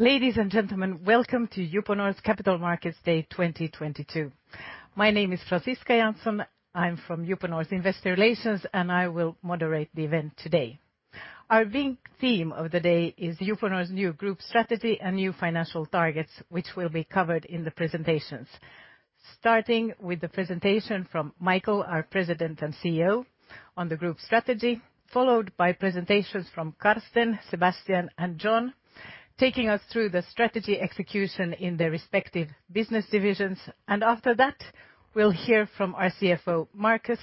Ladies and gentlemen, welcome to Uponor's Capital Markets Day 2022. My name is Franciska Janzon. I'm from Uponor's Investor Relations, and I will moderate the event today. Our big theme of the day is Uponor's new group strategy and new financial targets, which will be covered in the presentations. Starting with the presentation from Michael, our President and CEO, on the group strategy, followed by presentations from Karsten, Sebastian, and John, taking us through the strategy execution in their respective business divisions. After that, we'll hear from our CFO, Markus,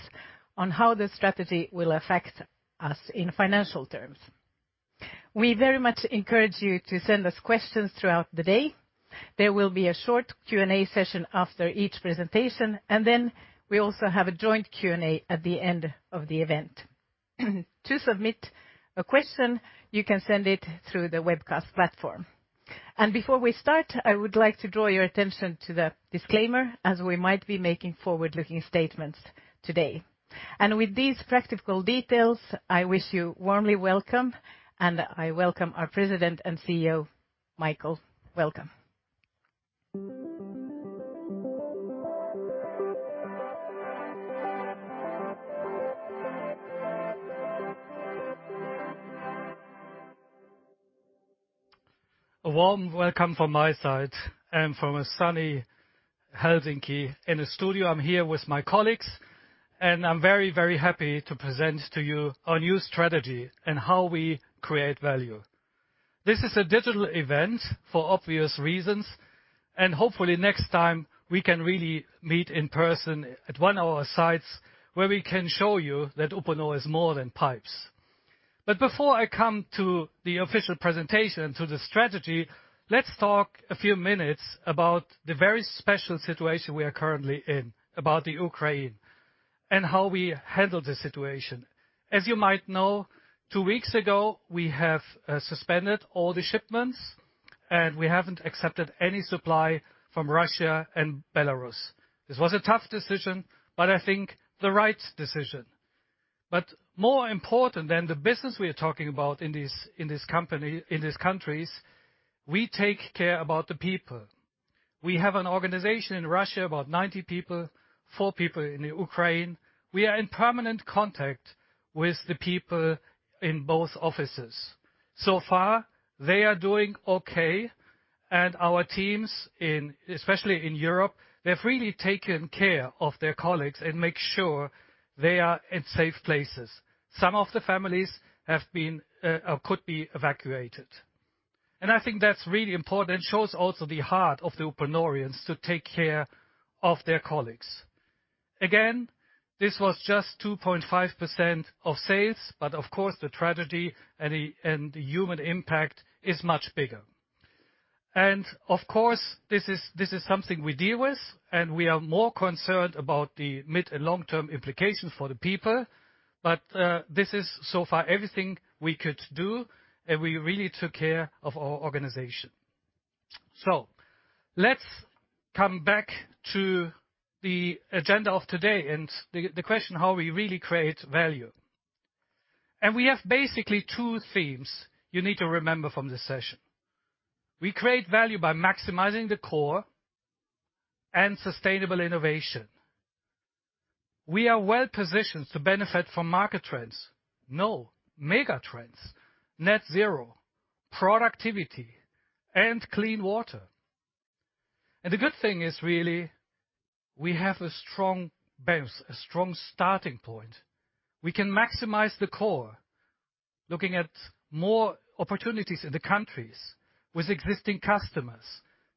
on how the strategy will affect us in financial terms. We very much encourage you to send us questions throughout the day. There will be a short Q&A session after each presentation, and then we also have a joint Q&A at the end of the event. To submit a question, you can send it through the webcast platform. Before we start, I would like to draw your attention to the disclaimer, as we might be making forward-looking statements today. With these practical details, I wish you warmly welcome, and I welcome our President and CEO, Michael. Welcome. A warm welcome from my side and from a sunny Helsinki. In the studio, I'm here with my colleagues, and I'm very, very happy to present to you our new strategy and how we create value. This is a digital event for obvious reasons, and hopefully next time we can really meet in person at one of our sites where we can show you that Uponor is more than pipes. Before I come to the official presentation, to the strategy, let's talk a few minutes about the very special situation we are currently in about the Ukraine and how we handle the situation. As you might know, two weeks ago, we have suspended all the shipments, and we haven't accepted any supply from Russia and Belarus. This was a tough decision, but I think the right decision. More important than the business we are talking about in these countries, we take care about the people. We have an organization in Russia, about 90 people, 4 people in the Ukraine. We are in permanent contact with the people in both offices. So far, they are doing okay, and our teams, especially in Europe, they've really taken care of their colleagues and make sure they are in safe places. Some of the families have been, or could be evacuated. I think that's really important. It shows also the heart of the Uponorians to take care of their colleagues. Again, this was just 2.5% of sales, but of course, the tragedy and the human impact is much bigger. Of course, this is something we deal with, and we are more concerned about the mid- and long-term implications for the people. This is so far everything we could do, and we really took care of our organization. Let's come back to the agenda of today and the question how we really create value. We have basically two themes you need to remember from this session. We create value by maximizing the core and sustainable innovation. We are well-positioned to benefit from mega trends, net zero, productivity, and clean water. The good thing is, really, we have a strong base, a strong starting point. We can maximize the core, looking at more opportunities in the countries with existing customers,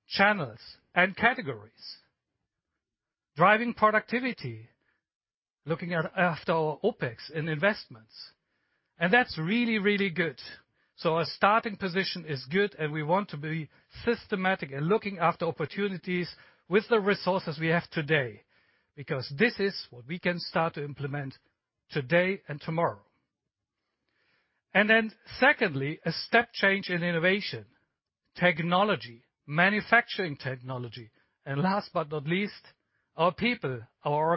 channels, and categories. Driving productivity, looking after our OpEx and investments. That's really good. Our starting position is good, and we want to be systematic and looking after opportunities with the resources we have today because this is what we can start to implement today and tomorrow. Secondly, a step change in innovation, technology, manufacturing technology, and last but not least, our people, our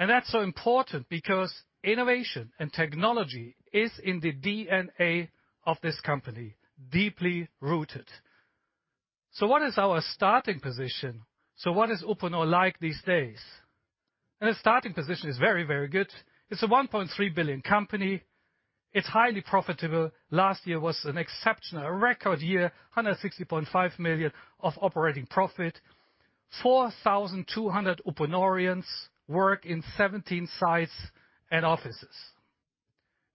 organization. That's so important because innovation and technology is in the DNA of this company, deeply rooted. What is our starting position? What is Uponor like these days? The starting position is very, very good. It's a 1.3 billion company. It's highly profitable. Last year was an exceptional, a record year, 160.5 million of operating profit. 4,200 Uponorians work in 17 sites and offices.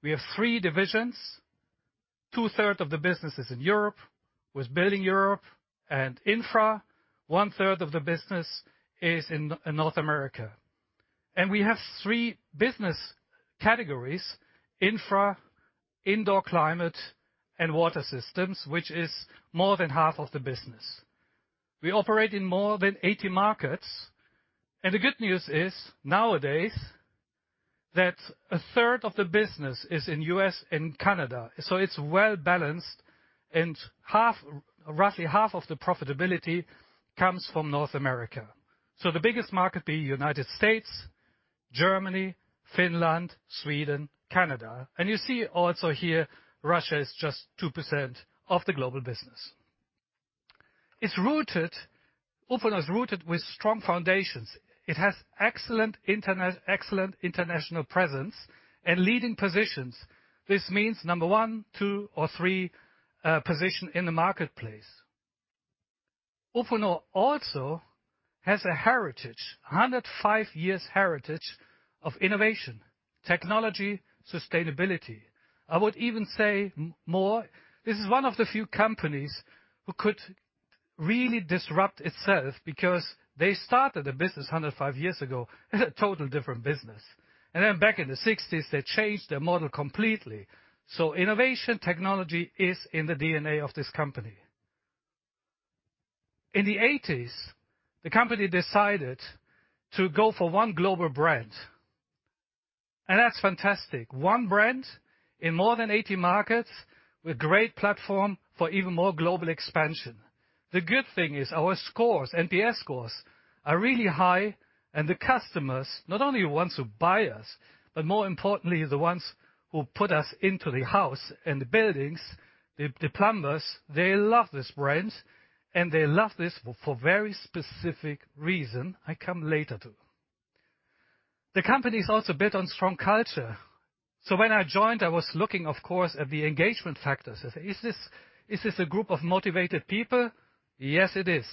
We have three divisions. Two-thirds of the business is in Europe, with Building Solutions Europe and Infra. 1/3 of the business is in North America. We have three business categories: Infra, Indoor Climate, and Water Systems, which is more than half of the business. We operate in more than 80 markets. The good news is, nowadays, that 1/3 of the business is in U.S. and Canada, so it's well-balanced, and roughly half of the profitability comes from North America. The biggest market being United States, Germany, Finland, Sweden, Canada. You see also here, Russia is just 2% of the global business. It's rooted, Uponor is rooted with strong foundations. It has excellent international presence and leading positions. This means number 1, 2 or 3 position in the marketplace. Uponor also has a heritage, 105 years heritage of innovation, technology, sustainability. I would even say more, this is one of the few companies who could really disrupt itself because they started a business 105 years ago, totally different business. Then back in the 1960s, they changed their model completely. Innovation technology is in the DNA of this company. In the 1980s, the company decided to go for one global brand, and that's fantastic. One brand in more than 80 markets with great platform for even more global expansion. The good thing is our scores, NPS scores, are really high, and the customers, not only the ones who buy us, but more importantly, the ones who put us into the house and the buildings, the plumbers, they love this brand, and they love this for very specific reason I come later to. The company is also built on strong culture. When I joined, I was looking, of course, at the engagement factors. I say, "Is this a group of motivated people?" Yes, it is.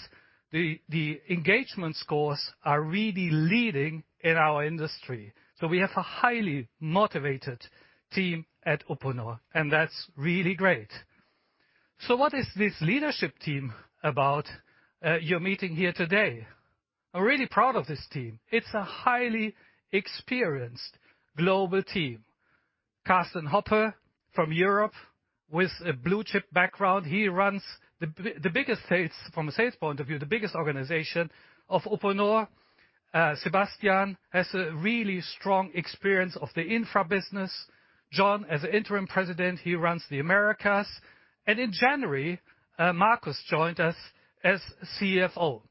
The engagement scores are really leading in our industry. We have a highly motivated team at Uponor, and that's really great. What is this leadership team about, you're meeting here today? I'm really proud of this team. It's a highly experienced global team. Karsten Hoppe from Europe with a blue chip background. He runs from a sales point of view, the biggest organization of Uponor. Sebastian has a really strong experience of the infra business. John, as Interim President, he runs the Americas. In January, Markus joined us as CFO.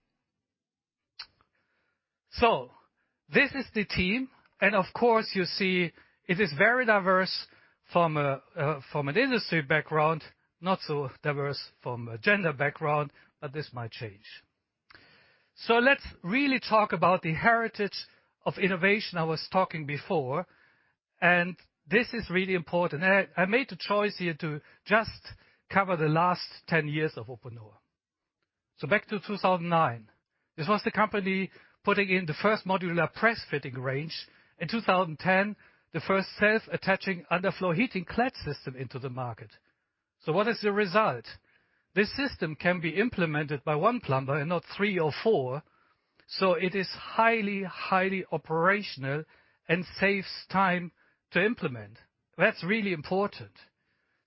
This is the team, and of course, you see it is very diverse from an industry background, not so diverse from a gender background, but this might change. Let's really talk about the heritage of innovation I was talking before, and this is really important. I made the choice here to just cover the last 10 years of Uponor. Back to 2009. This was the company putting in the first modular press-fitting range. In 2010, the first self-attaching underfloor heating Klett system into the market. What is the result? This system can be implemented by 1 plumber and not 3 or 4, so it is highly operational and saves time to implement. That's really important.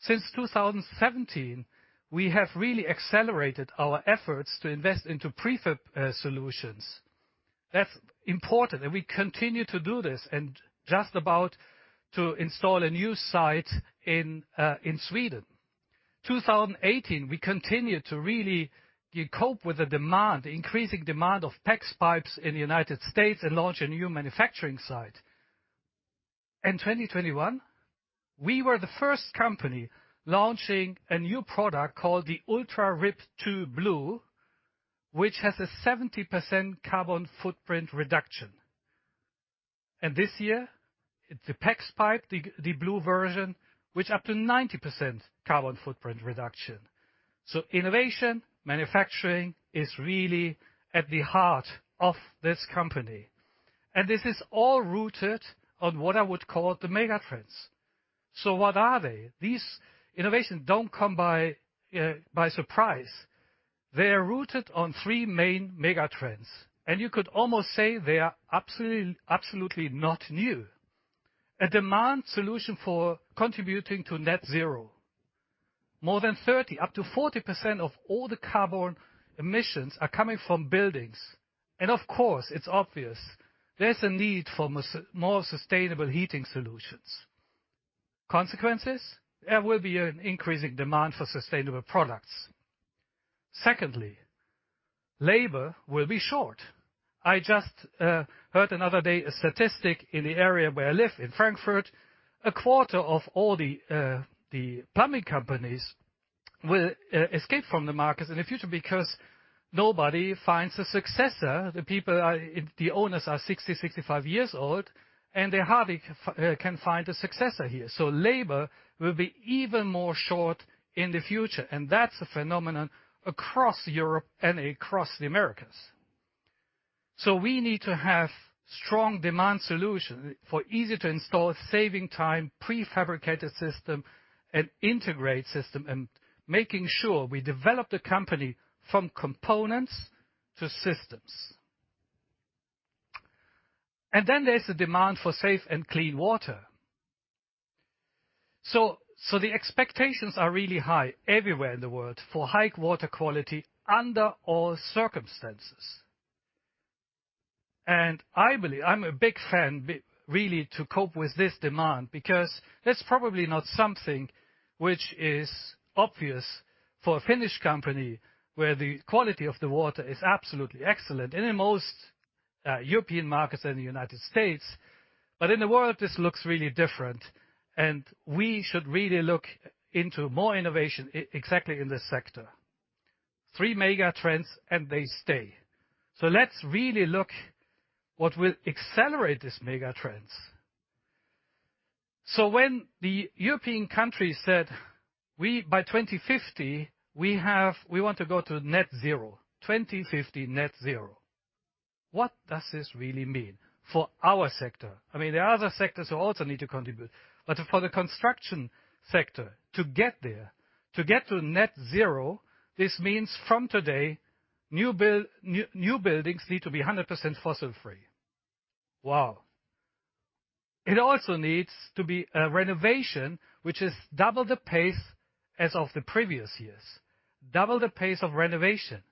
Since 2017, we have really accelerated our efforts to invest into prefab solutions. That's important, we continue to do this and just about to install a new site in Sweden. In 2018, we continued to really cope with the demand, the increasing demand of PEX pipes in the United States and launch a new manufacturing site. In 2021, we were the first company launching a new product called the Ultra Rib 2 Blue, which has a 70% carbon footprint reduction. This year, the PEX pipe, the blue version, which up to 90% carbon footprint reduction. Innovation, manufacturing is really at the heart of this company. This is all rooted on what I would call the megatrends. What are they? These innovations don't come by surprise. They are rooted on three main megatrends, and you could almost say they are absolutely not new. A demand solution for contributing to net zero. More than 30, up to 40% of all the carbon emissions are coming from buildings. Of course, it's obvious there's a need for more sustainable heating solutions. Consequently, there will be an increasing demand for sustainable products. Secondly, labor will be short. I just heard the other day a statistic in the area where I live in Frankfurt, a quarter of all the plumbing companies will exit the markets in the future because nobody finds a successor. The owners are 60-65 years old, and they hardly can find a successor here. Labor will be even more short in the future, and that's a phenomenon across Europe and across the Americas. We need to have strong demand solution for easy to install, saving time, prefabricated system and integrate system and making sure we develop the company from components to systems. There's the demand for safe and clean water. The expectations are really high everywhere in the world for high water quality under all circumstances. I believe I'm a big fan really to cope with this demand because that's probably not something which is obvious. For a Finnish company where the quality of the water is absolutely excellent in most European markets in the United States. In the world, this looks really different, and we should really look into more innovation exactly in this sector. Three megatrends, and they stay. Let's really look what will accelerate these megatrends. When the European countries said, we want to go to net zero by 2050. 2050, net zero. What does this really mean for our sector? I mean, there are other sectors who also need to contribute. But for the construction sector to get there, to get to net zero, this means from today, new buildings need to be 100% fossil-free. Wow. It also needs to be a renovation which is double the pace as of the previous years, double the pace of renovation.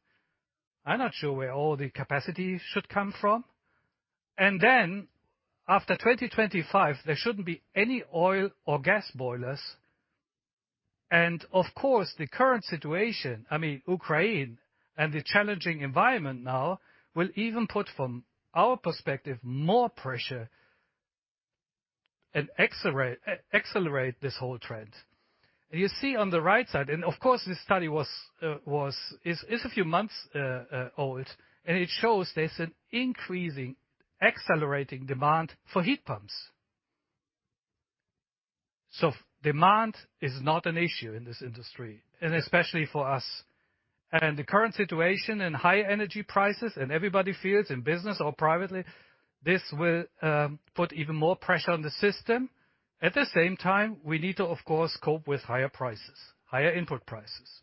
I'm not sure where all the capacity should come from. Then after 2025, there shouldn't be any oil or gas boilers. Of course, the current situation, I mean Ukraine and the challenging environment now, will even put from our perspective, more pressure and accelerate this whole trend. You see on the right side, and of course this study is a few months old, and it shows there's an increasing accelerating demand for heat pumps. Demand is not an issue in this industry, and especially for us. The current situation in high energy prices, and everybody feels in business or privately, this will put even more pressure on the system. At the same time, we need to, of course, cope with higher prices, higher input prices.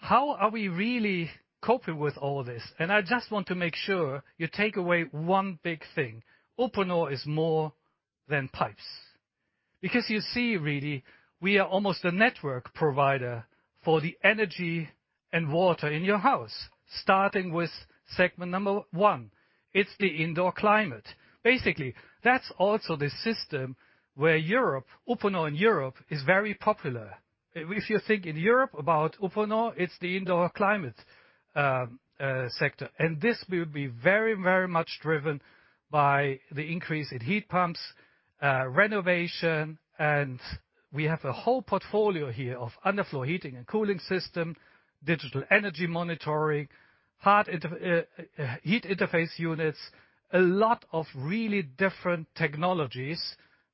How are we really coping with all this? I just want to make sure you take away one big thing. Uponor is more than pipes. Because you see really, we are almost a network provider for the energy and water in your house, starting with segment number one, it's the indoor climate. Basically, that's also the system where Europe, Uponor in Europe is very popular. If you think in Europe about Uponor, it's the indoor climate sector. This will be very, very much driven by the increase in heat pumps, renovation. We have a whole portfolio here of underfloor heating and cooling system, digital energy monitoring, heat interface units. A lot of really different technologies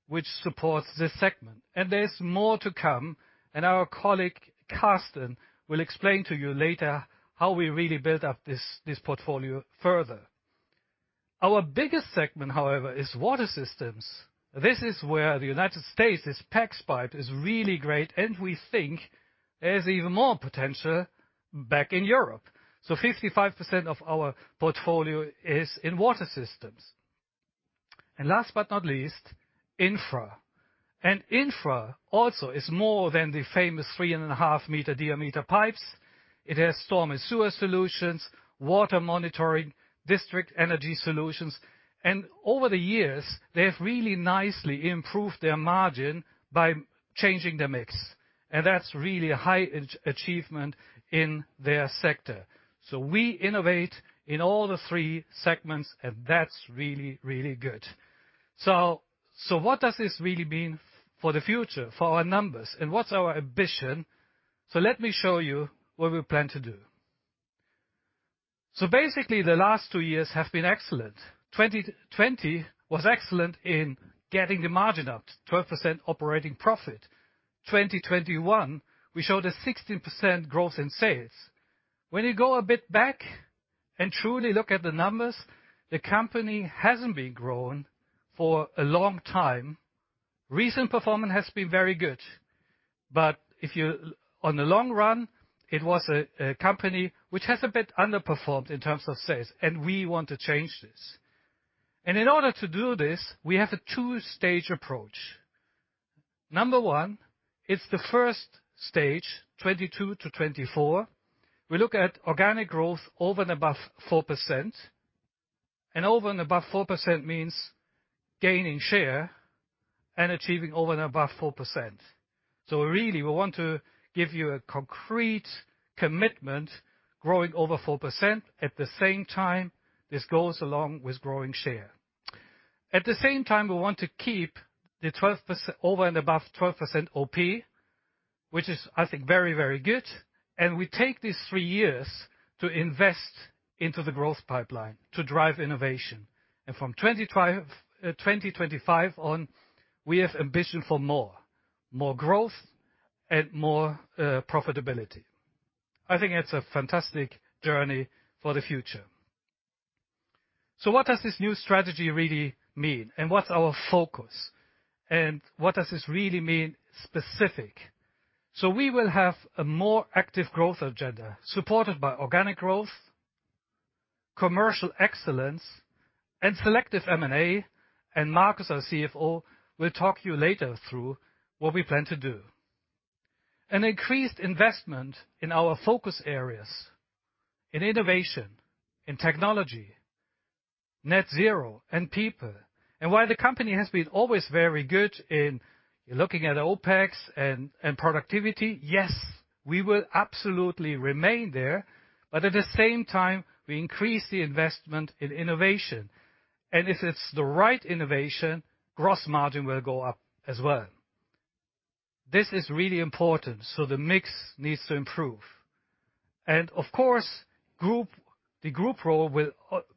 which supports this segment. There's more to come, and our colleague, Karsten, will explain to you later how we really build up this portfolio further. Our biggest segment, however, is water systems. This is where the United States, this PEX pipe is really great, and we think there's even more potential back in Europe. 55% of our portfolio is in water systems. Last but not least, infra. Infra also is more than the famous 3.5-meter diameter pipes. It has storm and sewer solutions, water monitoring, district energy solutions. Over the years, they have really nicely improved their margin by changing their mix, and that's really a high achievement in their sector. We innovate in all the three segments, and that's really, really good. What does this really mean for the future, for our numbers, and what's our ambition? Let me show you what we plan to do. Basically, the last two years have been excellent. 2020 was excellent in getting the margin up, 12% operating profit. 2021, we showed a 16% growth in sales. When you go a bit back and truly look at the numbers, the company hasn't been growing for a long time. Recent performance has been very good. In the long run, it was a company which has a bit underperformed in terms of sales, and we want to change this. In order to do this, we have a two-stage approach. Number one, it's the first stage, 2022-2024. We look at organic growth over and above 4%. Over and above 4% means gaining share and achieving over and above 4%. Really, we want to give you a concrete commitment growing over 4%. At the same time, this goes along with growing share. At the same time, we want to keep the 12% over and above 12% OP, which is, I think, very, very good. We take these three years to invest into the growth pipeline to drive innovation. From 2025 on, we have ambition for more. More growth and more profitability. I think it's a fantastic journey for the future. What does this new strategy really mean, and what's our focus? What does this really mean specifically? We will have a more active growth agenda supported by organic growth, commercial excellence, and selective M&A. Markus, our CFO, will talk to you later through what we plan to do. An increased investment in our focus areas in innovation, in technology, net zero and people. While the company has been always very good in looking at OpEx and productivity, yes, we will absolutely remain there, but at the same time, we increase the investment in innovation. If it's the right innovation, gross margin will go up as well. This is really important. The mix needs to improve. Of course, the group role will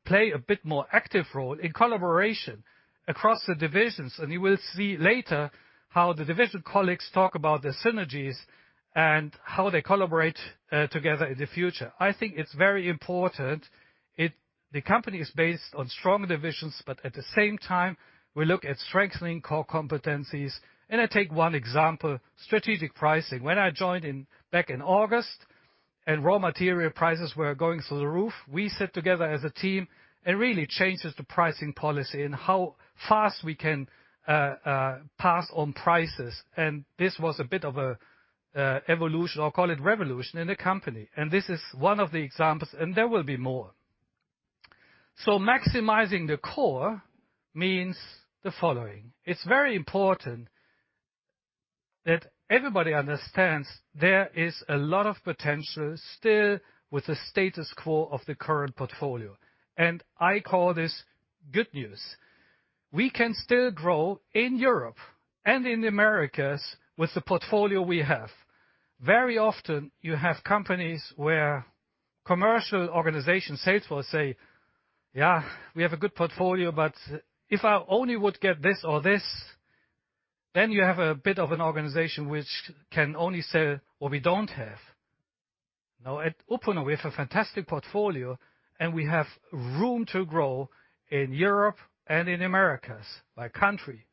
play a bit more active role in collaboration across the divisions, and you will see later how the division colleagues talk about the synergies and how they collaborate together in the future. I think it's very important the company is based on strong divisions, but at the same time, we look at strengthening core competencies. I take one example, strategic pricing. When I joined in, back in August and raw material prices were going through the roof, we sat together as a team and really changed the pricing policy and how fast we can pass on prices. This was a bit of a evolution or call it revolution in the company. This is one of the examples, and there will be more. Maximizing the core means the following. It's very important that everybody understands there is a lot of potential still with the status quo of the current portfolio. I call this good news. We can still grow in Europe and in Americas with the portfolio we have. Very often you have companies where commercial organization sales will say, "Yeah, we have a good portfolio, but if I only would get this or this," then you have a bit of an organization which can only sell what we don't have. Now, at Uponor, we have a fantastic portfolio, and we have room to grow in Europe and in Americas, by country,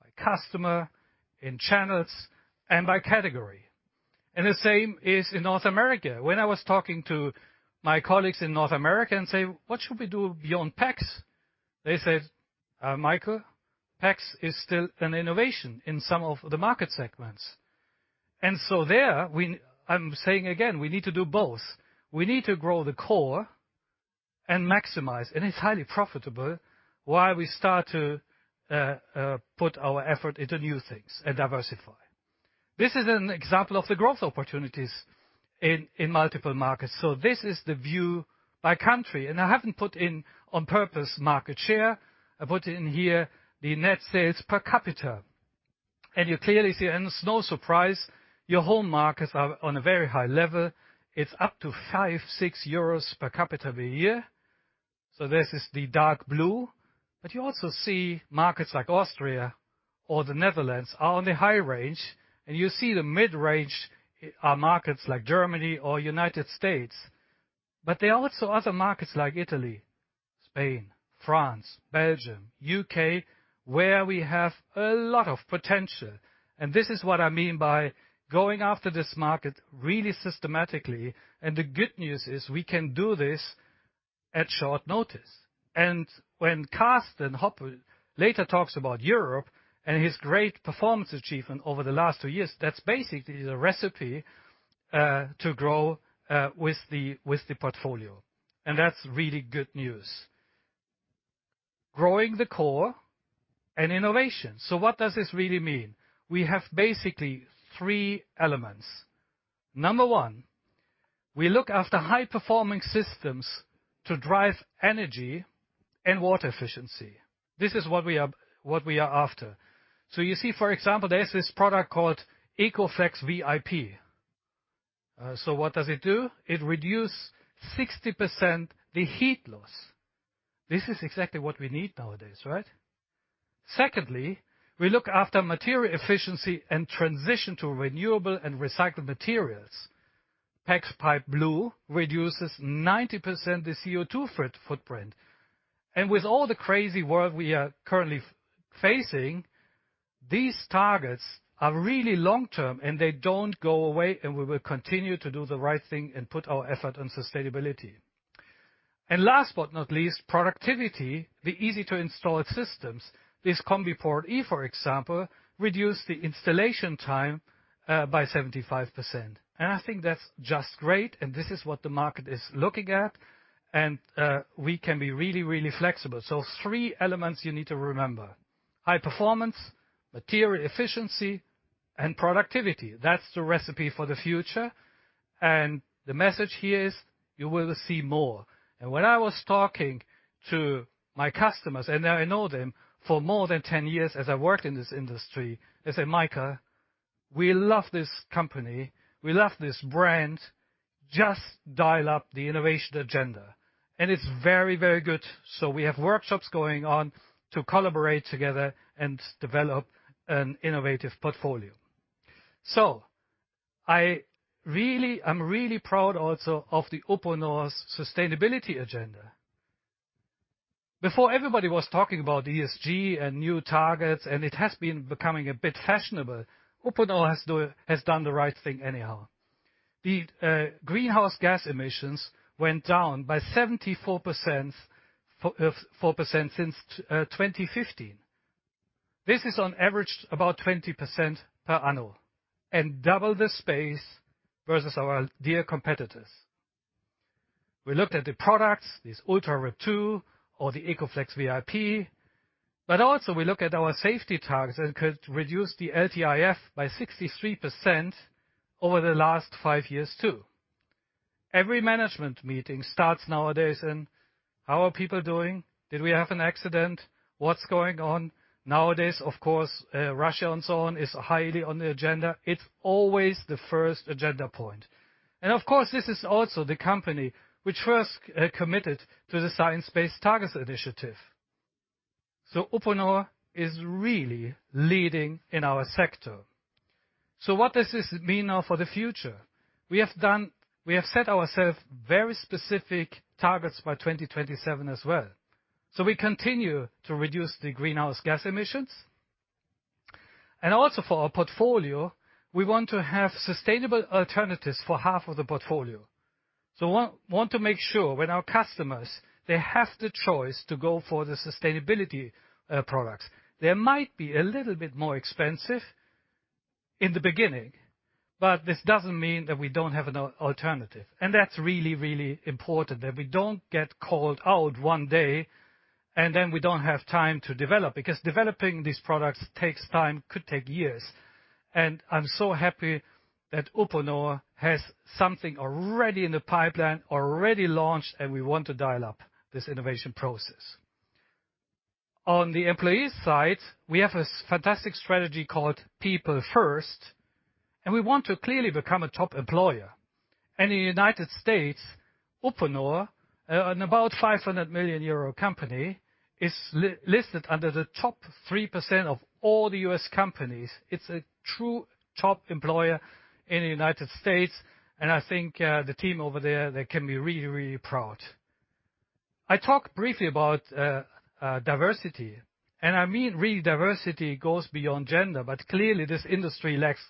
by customer, in channels, and by category. The same is in North America. When I was talking to my colleagues in North America and say, "What should we do beyond PEX?" They said, "Michael, PEX is still an innovation in some of the market segments." I'm saying again, we need to do both. We need to grow the core and maximize, and it's highly profitable, while we start to put our effort into new things and diversify. This is an example of the growth opportunities in multiple markets. This is the view by country, and I haven't put in on purpose market share. I put in here the net sales per capita. You clearly see, and it's no surprise, your home markets are on a very high level. It's up to 5-6 euros per capita per year. This is the dark blue. You also see markets like Austria or the Netherlands are on the high range, and you see the mid-range are markets like Germany or United States. There are also other markets like Italy, Spain, France, Belgium, U.K., where we have a lot of potential. This is what I mean by going after this market really systematically. The good news is we can do this at short notice. When Karsten Hoppe later talks about Europe and his great performance achievement over the last two years, that's basically the recipe to grow with the portfolio. That's really good news. Growing the core and innovation. What does this really mean? We have basically three elements. Number one, we look after high-performing systems to drive energy and water efficiency. This is what we are after. You see, for example, there's this product called Ecoflex VIP. What does it do? It reduce 60% the heat loss. This is exactly what we need nowadays, right? Secondly, we look after material efficiency and transition to renewable and recycled materials. PEX Pipe Blue reduces 90% the CO2 footprint. With all the crazy world we are currently facing, these targets are really long-term, and they don't go away, and we will continue to do the right thing and put our effort on sustainability. Last but not least, productivity, the easy-to-install systems. This Combi Port E, for example, reduced the installation time by 75%. I think that's just great, and this is what the market is looking at. We can be really, really flexible. Three elements you need to remember. High performance, material efficiency, and productivity. That's the recipe for the future. The message here is, you will see more. When I was talking to my customers, and I know them for more than 10 years as I worked in this industry, they say, "Michael, we love this company. We love this brand. Just dial up the innovation agenda." It's very, very good. We have workshops going on to collaborate together and develop an innovative portfolio. I'm really proud also of Uponor's sustainability agenda. Before everybody was talking about ESG and new targets, and it has been becoming a bit fashionable, Uponor has done the right thing anyhow. The greenhouse gas emissions went down by 74% since 2015. This is on average about 20% per annum and double the pace versus our dear competitors. We looked at the products, this Ultra Rib 2 or the Ecoflex VIP, but also we look at our safety targets and could reduce the LTIF by 63% over the last five years. Every management meeting starts nowadays with how are people doing? Did we have an accident? What's going on? Nowadays, of course, Russia and so on is highly on the agenda. It's always the first agenda point. Of course, this is also the company which first committed to the Science Based Targets initiative. Uponor is really leading in our sector. What does this mean now for the future? We have set ourselves very specific targets by 2027 as well. We continue to reduce the greenhouse gas emissions. Also for our portfolio, we want to have sustainable alternatives for half of the portfolio. Want to make sure when our customers, they have the choice to go for the sustainable products. They might be a little bit more expensive in the beginning, but this doesn't mean that we don't have an alternative. That's really important that we don't get called out one day, and then we don't have time to develop, because developing these products takes time, could take years. I'm so happy that Uponor has something already in the pipeline, already launched, and we want to dial up this innovation process. On the employee side, we have a fantastic strategy called People First, and we want to clearly become a top employer. In the United States, Uponor, about 500 million euro company, is listed under the top 3% of all the U.S. companies. It's a true top employer in the United States, and I think the team over there they can be really proud. I talked briefly about diversity, and I mean, really diversity goes beyond gender, but clearly this industry lacks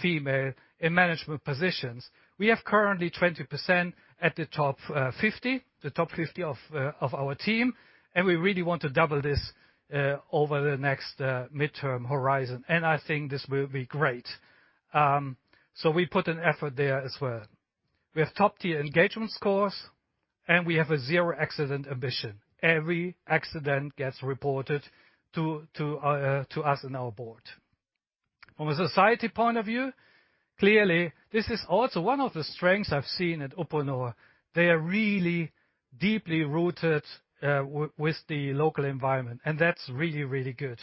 female in management positions. We have currently 20% at the top fifty, the top 50 of our team, and we really want to double this over the next midterm horizon. I think this will be great. We put an effort there as well. We have top-tier engagement scores, and we have a zero accident ambition. Every accident gets reported to us and our board. From a society point of view, clearly this is also one of the strengths I've seen at Uponor. They are really deeply rooted with the local environment, and that's really, really good.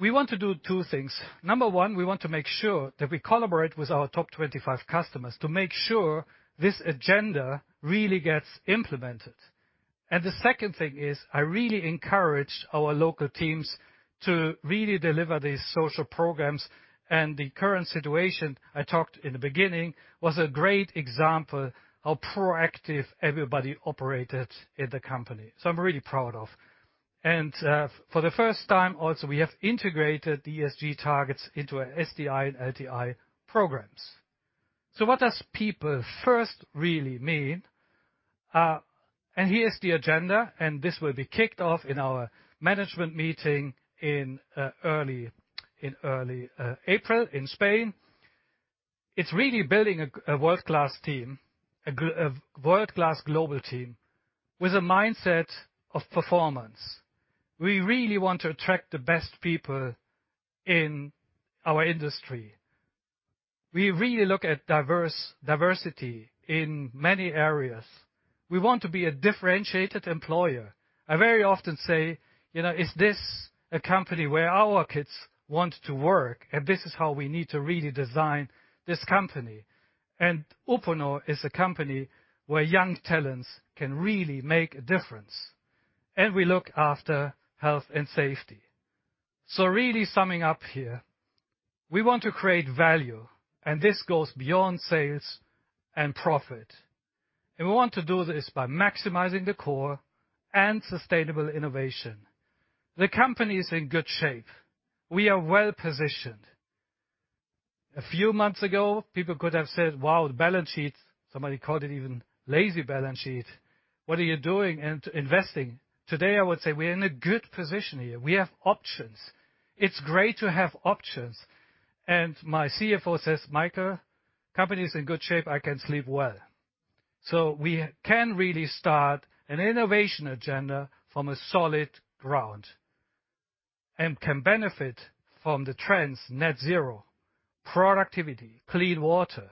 We want to do two things. 1, we want to make sure that we collaborate with our top 25 customers to make sure this agenda really gets implemented. The second thing is, I really encourage our local teams to really deliver these social programs. The current situation I talked in the beginning was a great example how proactive everybody operated in the company. I'm really proud of. For the first time also, we have integrated the ESG targets into our STI and LTI programs. What does People First really mean? Here's the agenda, and this will be kicked off in our management meeting in early April in Spain. It's really building a world-class global team with a mindset of performance. We really want to attract the best people in our industry. We really look at diversity in many areas. We want to be a differentiated employer. I very often say, you know, "Is this a company where our kids want to work?" This is how we need to really design this company. Uponor is a company where young talents can really make a difference. We look after health and safety. Really summing up here, we want to create value, and this goes beyond sales and profit. We want to do this by maximizing the core and sustainable innovation. The company is in good shape. We are well-positioned. A few months ago, people could have said, "Wow, the balance sheet," somebody called it even lazy balance sheet. What are you doing and investing? Today, I would say we're in a good position here. We have options. It's great to have options. My CFO says, "Michael, company is in good shape, I can sleep well." We can really start an innovation agenda from a solid ground and can benefit from the trends, net zero, productivity, clean water.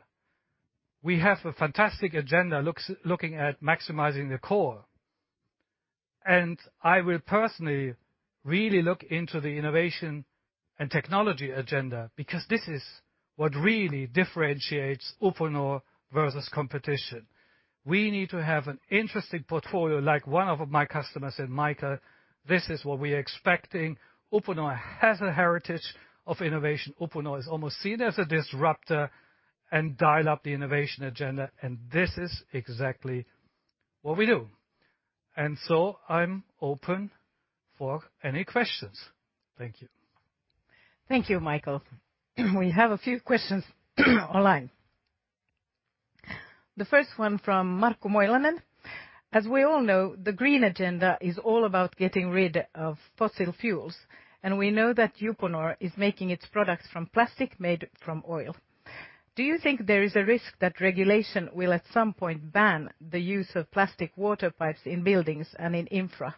We have a fantastic agenda looking at maximizing the core. I will personally really look into the innovation and technology agenda because this is what really differentiates Uponor versus competition. We need to have an interesting portfolio like one of my customers said, "Michael, this is what we're expecting." Uponor has a heritage of innovation. Uponor is almost seen as a disruptor and dial up the innovation agenda, and this is exactly what we do. I'm open for any questions. Thank you. Thank you, Michael. We have a few questions online. The first one from Marko Moilanen. As we all know, the green agenda is all about getting rid of fossil fuels, and we know that Uponor is making its products from plastic made from oil. Do you think there is a risk that regulation will, at some point, ban the use of plastic water pipes in buildings and in infra?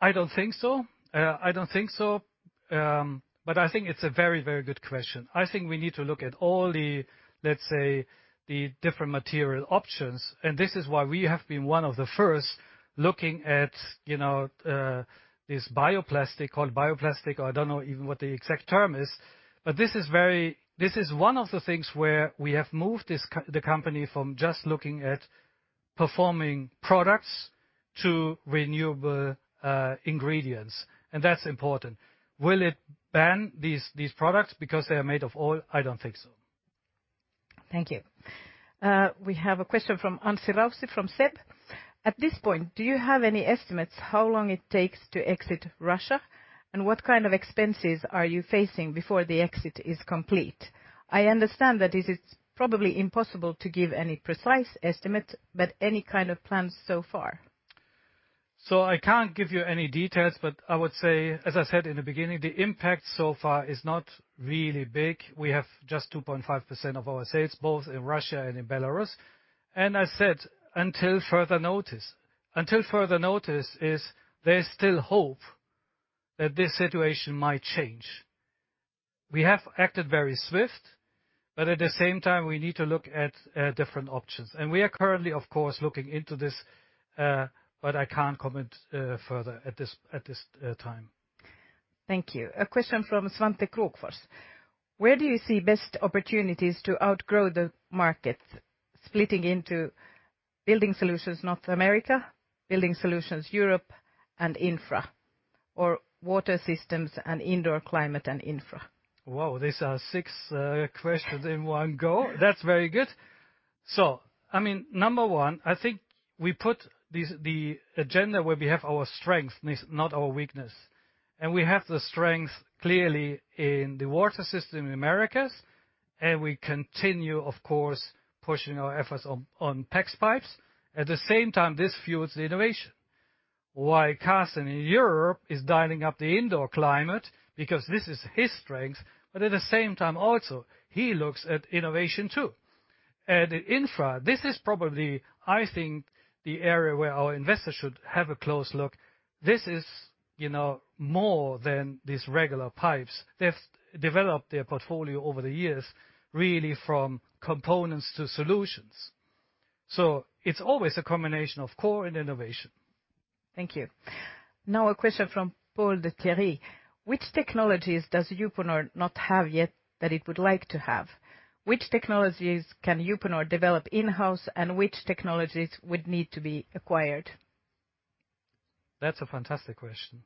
I don't think so. I don't think so, but I think it's a very, very good question. I think we need to look at all the, let's say, the different material options, and this is why we have been one of the first looking at, you know, this bioplastic, called bioplastic. I don't know even what the exact term is. This is one of the things where we have moved the company from just looking at performing products to renewable, ingredients, and that's important. Will it ban these products because they are made of oil? I don't think so. Thank you. We have a question from Anssi Raussi from SEB. At this point, do you have any estimates how long it takes to exit Russia, and what kind of expenses are you facing before the exit is complete? I understand that it is probably impossible to give any precise estimate, but any kind of plans so far? I can't give you any details, but I would say, as I said in the beginning, the impact so far is not really big. We have just 2.5% of our sales both in Russia and in Belarus. I said until further notice. Until further notice, there's still hope that this situation might change. We have acted very swift, but at the same time, we need to look at different options. We are currently, of course, looking into this, but I can't comment further at this time. Thank you. A question from Svante Krokfors. Where do you see best opportunities to outgrow the market, splitting into Building Solutions - North America, Building Solutions - Europe and Infra, or Water Systems and Indoor Climate and Infra? Whoa, these are six questions in one go. That's very good. I mean, number one, I think we put the agenda where we have our strength, not our weakness. We have the strength, clearly, in the Water System in Americas, and we continue, of course, pushing our efforts on PEX pipes. At the same time, this fuels innovation. While Karsten in Europe is dialing up the indoor climate because this is his strength, at the same time also, he looks at innovation too. Infra, this is probably, I think, the area where our investors should have a close look. This is, you know, more than these regular pipes. They've developed their portfolio over the years, really from components to solutions. It's always a combination of core and innovation. Thank you. Now a question from Paul de-Thierry: Which technologies does Uponor not have yet that it would like to have? Which technologies can Uponor develop in-house and which technologies would need to be acquired? That's a fantastic question.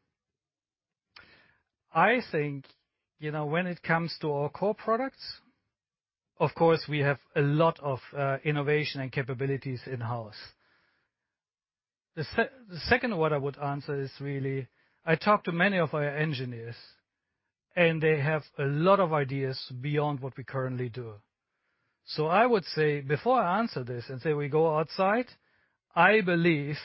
I think, you know, when it comes to our core products, of course, we have a lot of innovation and capabilities in-house. The second what I would answer is, really, I talk to many of our engineers, and they have a lot of ideas beyond what we currently do. I would say, before I answer this and say we go outside, I believe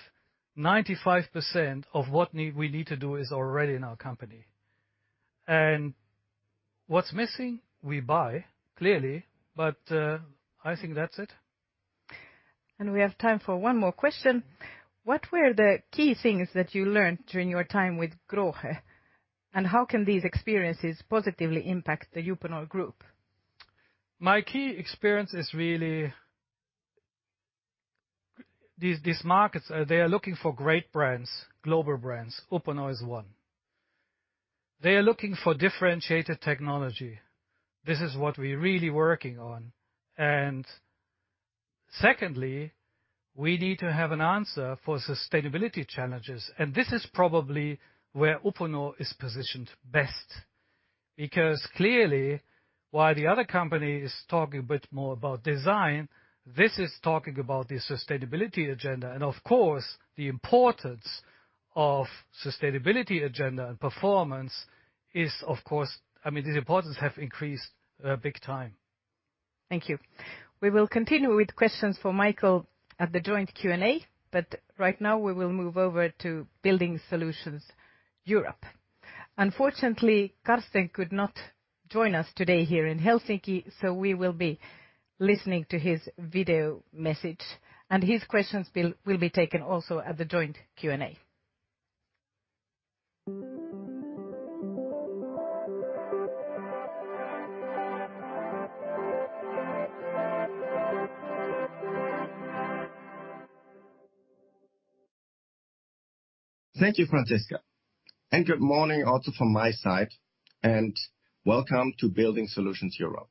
95% of what we need to do is already in our company. What's missing, we buy, clearly, but I think that's it. We have time for one more question. What were the key things that you learned during your time with GROHE, and how can these experiences positively impact the Uponor Group? My key experience is really these markets, they are looking for great brands, global brands. Uponor is one. They are looking for differentiated technology. This is what we're really working on. Secondly, we need to have an answer for sustainability challenges, and this is probably where Uponor is positioned best. Because clearly, while the other company is talking a bit more about design, this is talking about the sustainability agenda. Of course, I mean, the importance have increased big time. Thank you. We will continue with questions for Michael at the joint Q&A, but right now, we will move over to Building Solutions Europe. Unfortunately, Karsten could not join us today here in Helsinki, so we will be listening to his video message, and his questions will be taken also at the joint Q&A. Thank you, Franciska, and good morning also from my side, and welcome to Building Solutions – Europe.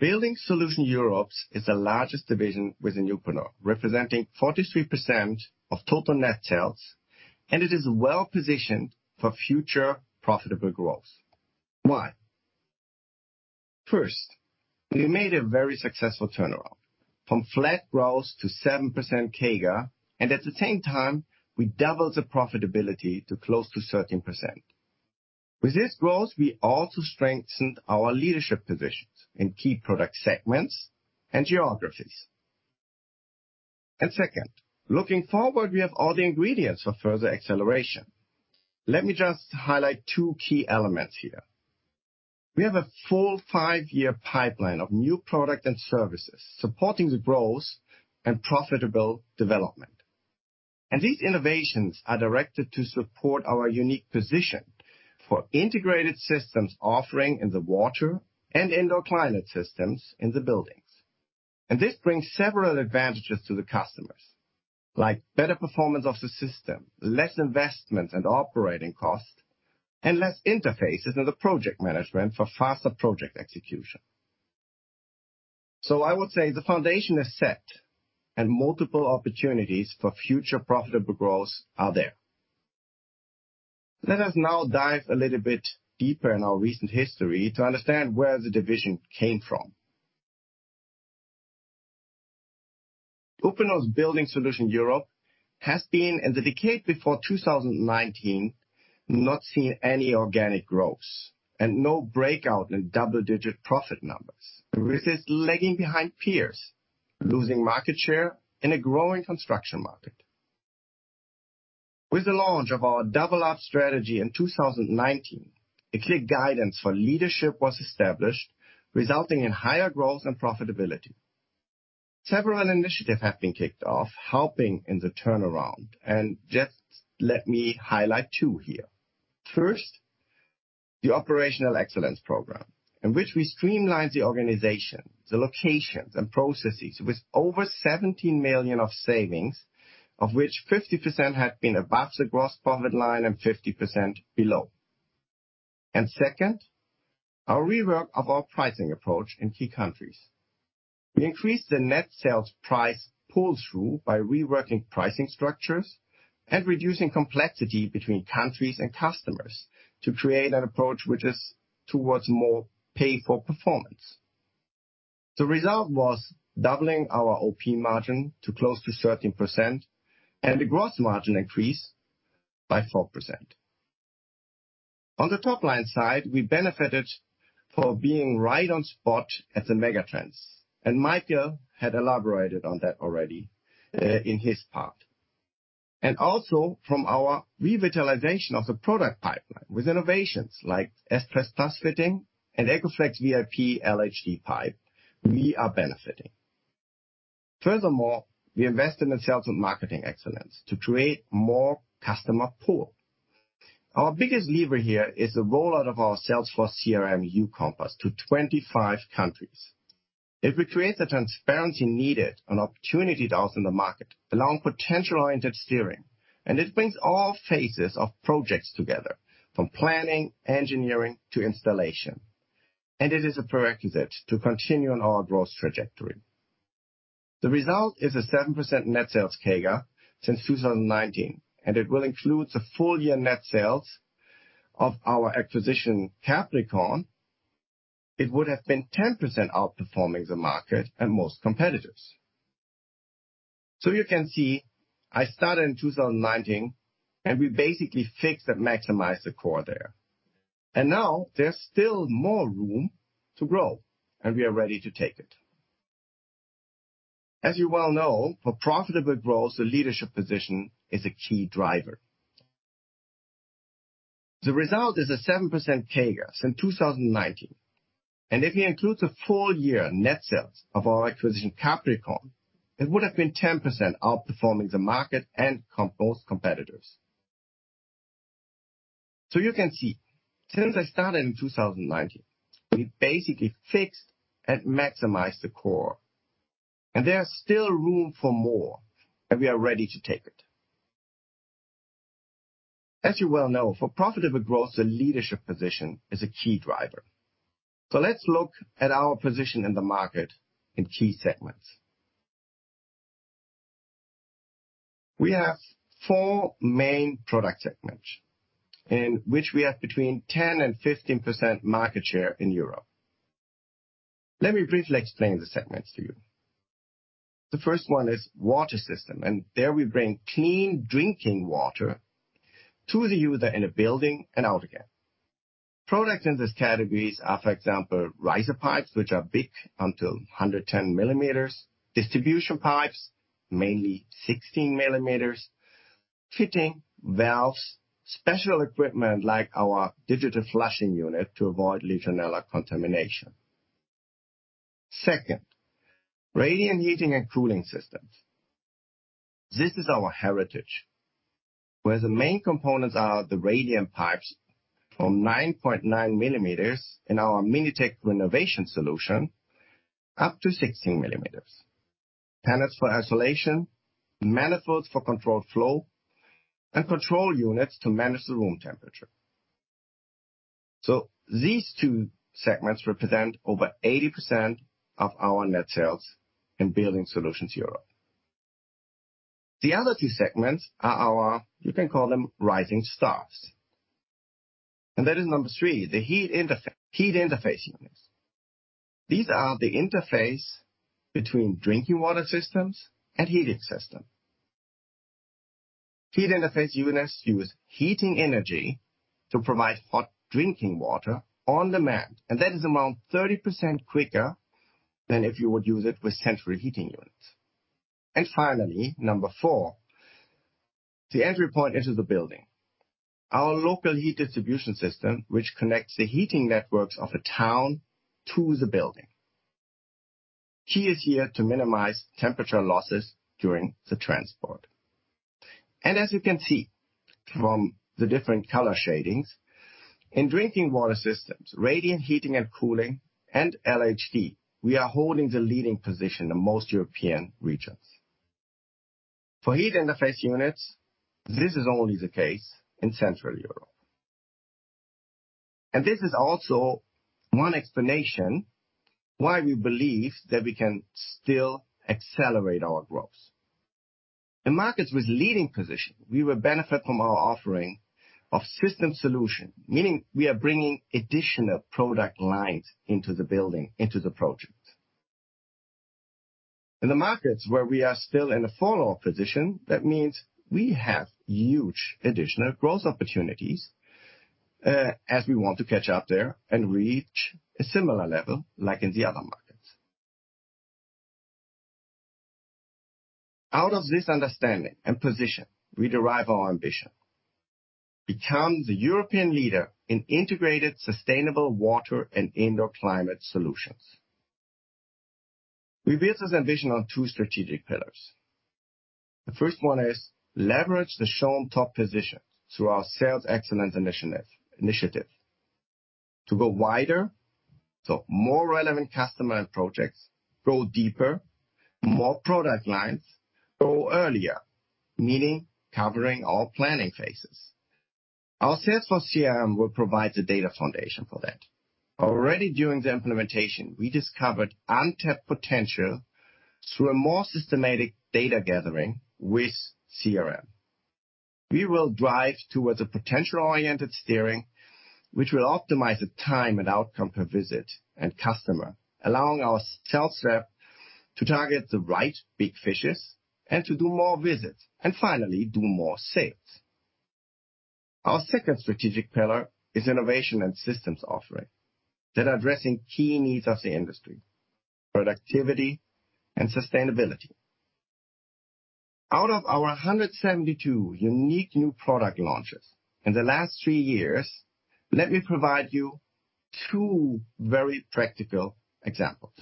Building Solutions – Europe is the largest division within Uponor, representing 43% of total net sales, and it is well-positioned for future profitable growth. Why? First, we made a very successful turnaround from flat growth to 7% CAGR, and at the same time, we doubled the profitability to close to 13%. With this growth, we also strengthened our leadership positions in key product segments and geographies. Second, looking forward, we have all the ingredients for further acceleration. Let me just highlight two key elements here. We have a full five-year pipeline of new product and services supporting the growth and profitable development. These innovations are directed to support our unique position for integrated systems offering in the water and indoor climate systems in the buildings. This brings several advantages to the customers, like better performance of the system, less investment and operating costs, and less interfaces in the project management for faster project execution. I would say the foundation is set and multiple opportunities for future profitable growth are there. Let us now dive a little bit deeper in our recent history to understand where the division came from. Uponor's Building Solutions Europe has been, in the decade before 2019, not seen any organic growth and no breakout in double-digit profit numbers, with this lagging behind peers, losing market share in a growing construction market. With the launch of our Double Up strategy in 2019, a clear guidance for leadership was established, resulting in higher growth and profitability. Several initiatives have been kicked off, helping in the turnaround. Just let me highlight two here. First, the Operational Excellence program, in which we streamlined the organization, the locations and processes with over 17 million in savings, of which 50% had been above the gross profit line and 50% below. Second, our rework of our pricing approach in key countries. We increased the net sales price pull-through by reworking pricing structures and reducing complexity between countries and customers to create an approach which is towards more pay for performance. The result was doubling our OP margin to close to 13% and the gross margin increase by 4%. On the top-line side, we benefited from being right on spot at the mega trends, and Michael had elaborated on that already in his part. Also from our revitalization of the product pipeline with innovations like S-Press PLUS fitting and Ecoflex VIP LHD pipe, we are benefiting. Furthermore, we invest in the sales and marketing excellence to create more customer pull. Our biggest lever here is the rollout of our Salesforce CRM Ucompass to 25 countries. It will create the transparency needed and opportunity that's in the market along potential-oriented steering, and it brings all phases of projects together, from planning, engineering to installation. It is a prerequisite to continue on our growth trajectory. The result is a 7% net sales CAGR since 2019, and it will include the full year net sales of our acquisition, Capricorn. It would have been 10% outperforming the market and most competitors. You can see I started in 2019, and we basically fixed and maximized the core there. Now there's still more room to grow, and we are ready to take it. As you well know, for profitable growth, the leadership position is a key driver. The result is a 7% CAGR since 2019. If we include the full year net sales of our acquisition, Capricorn, it would have been 10% outperforming the market and most competitors. You can see since I started in 2019, we basically fixed and maximized the core. There's still room for more, and we are ready to take it. As you well know, for profitable growth, the leadership position is a key driver. Let's look at our position in the market in key segments. We have four main product segments in which we have between 10%-15% market share in Europe. Let me briefly explain the segments to you. The first one is water system, and there we bring clean drinking water to the user in a building and out again. Products in these categories are, for example, riser pipes, which are big up to 110 millimeters, distribution pipes, mainly 16 millimeters, fitting valves, special equipment like our digital flushing unit to avoid Legionella contamination. Second, radiant heating and cooling systems. This is our heritage, where the main components are the radiant pipes from 9.9 millimeters in our Minitec renovation solution up to 16 millimeters. Panels for insulation, manifolds for controlled flow, and control units to manage the room temperature. These two segments represent over 80% of our net sales in Building Solutions – Europe. The other two segments are our, you can call them rising stars. That is number three, the heat interface units. These are the interface between drinking water systems and heating system. Heat interface units use heating energy to provide hot drinking water on demand, and that is around 30% quicker than if you would use it with central heating units. Finally, number 4, the entry point into the building. Our local heat distribution system, which connects the heating networks of a town to the building. The key here is to minimize temperature losses during the transport. As you can see from the different color shadings, in drinking water systems, radiant heating and cooling and LHD, we are holding the leading position in most European regions. For heat interface units, this is only the case in Central Europe. This is also one explanation why we believe that we can still accelerate our growth. In markets with leading position, we will benefit from our offering of system solution. Meaning we are bringing additional product lines into the building, into the project. In the markets where we are still in a follow position, that means we have huge additional growth opportunities, as we want to catch up there and reach a similar level like in the other markets. Out of this understanding and position, we derive our ambition to become the European leader in integrated, sustainable water and indoor climate solutions. We base this ambition on two strategic pillars. The first one is to leverage the shown top positions through our sales excellence initiative. To go wider, so more relevant customer projects. Go deeper, more product lines. Go earlier, meaning covering all planning phases. Our Salesforce CRM will provide the data foundation for that. Already during the implementation, we discovered untapped potential through a more systematic data gathering with CRM. We will drive towards a potential-oriented steering, which will optimize the time and outcome per visit and customer, allowing our sales rep to target the right big fishes and to do more visits, and finally, do more sales. Our second strategic pillar is innovation and systems offering that are addressing key needs of the industry, productivity and sustainability. Out of our 172 unique new product launches in the last three years, let me provide you two very practical examples.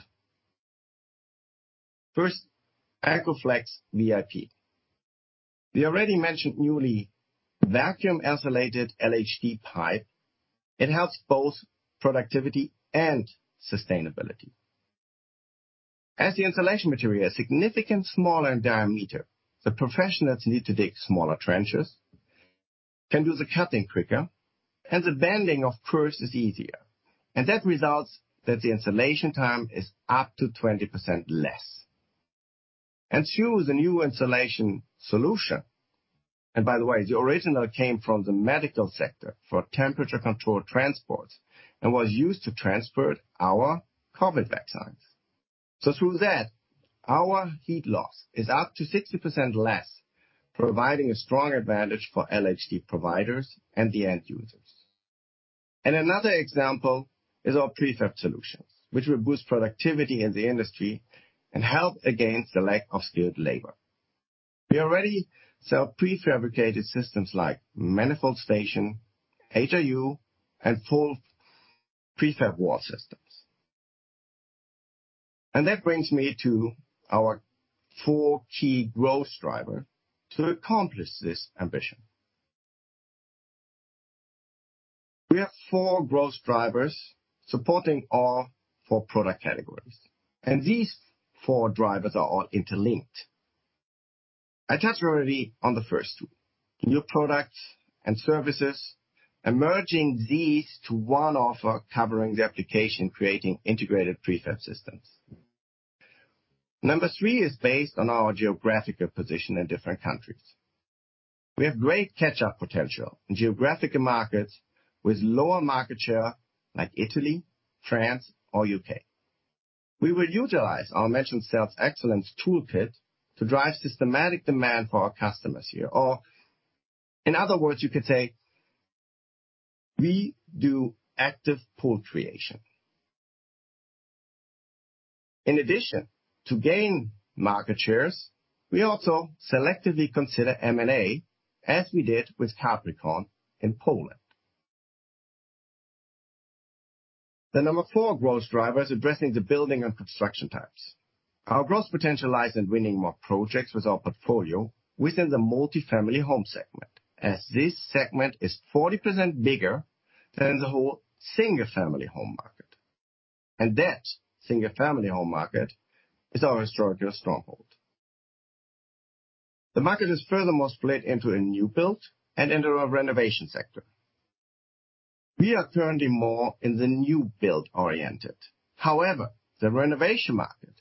First, Ecoflex VIP. The already mentioned newly vacuum-insulated LHD pipe. It helps both productivity and sustainability. As the insulation material is significantly smaller in diameter, the professionals need to dig smaller trenches, can do the cutting quicker, and the bending, of course, is easier. That results that the insulation time is up to 20% less. Two, the new insulation solution. By the way, the original came from the medical sector for temperature-controlled transports and was used to transport our COVID vaccines. Through that, our heat loss is up to 60% less, providing a strong advantage for LHD providers and the end users. Another example is our prefab solutions, which will boost productivity in the industry and help against the lack of skilled labor. We already sell prefabricated systems like manifold station, HIU and full prefab wall systems. That brings me to our four key growth driver to accomplish this ambition. We have four growth drivers supporting all four product categories, and these four drivers are all interlinked. I touched already on the first two. New products and services, and merging these to one offer covering the application, creating integrated prefab systems. Number three is based on our geographical position in different countries. We have great catch-up potential in geographical markets with lower market share like Italy, France or U.K. We will utilize our mentioned sales excellence toolkit to drive systematic demand for our customers here. Or in other words, you could say we do active pull creation. In addition to gain market shares, we also selectively consider M&A as we did with Capricorn in Poland. The number 4 growth driver is addressing the building and construction types. Our growth potential lies in winning more projects with our portfolio within the multi-family home segment, as this segment is 40% bigger than the whole single-family home market. That single-family home market is our historical stronghold. The market is furthermore split into a new build and into a renovation sector. We are currently more in the new build-oriented. However, the renovation market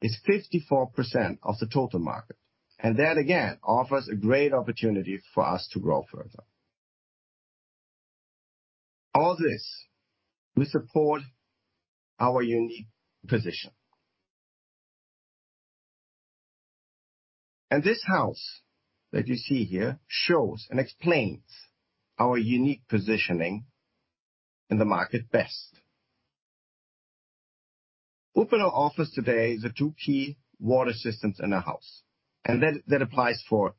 is 54% of the total market, and that again offers a great opportunity for us to grow further. All this will support our unique position. This house that you see here shows and explains our unique positioning in the market best. Uponor offers today the two key water systems in a house, and that applies for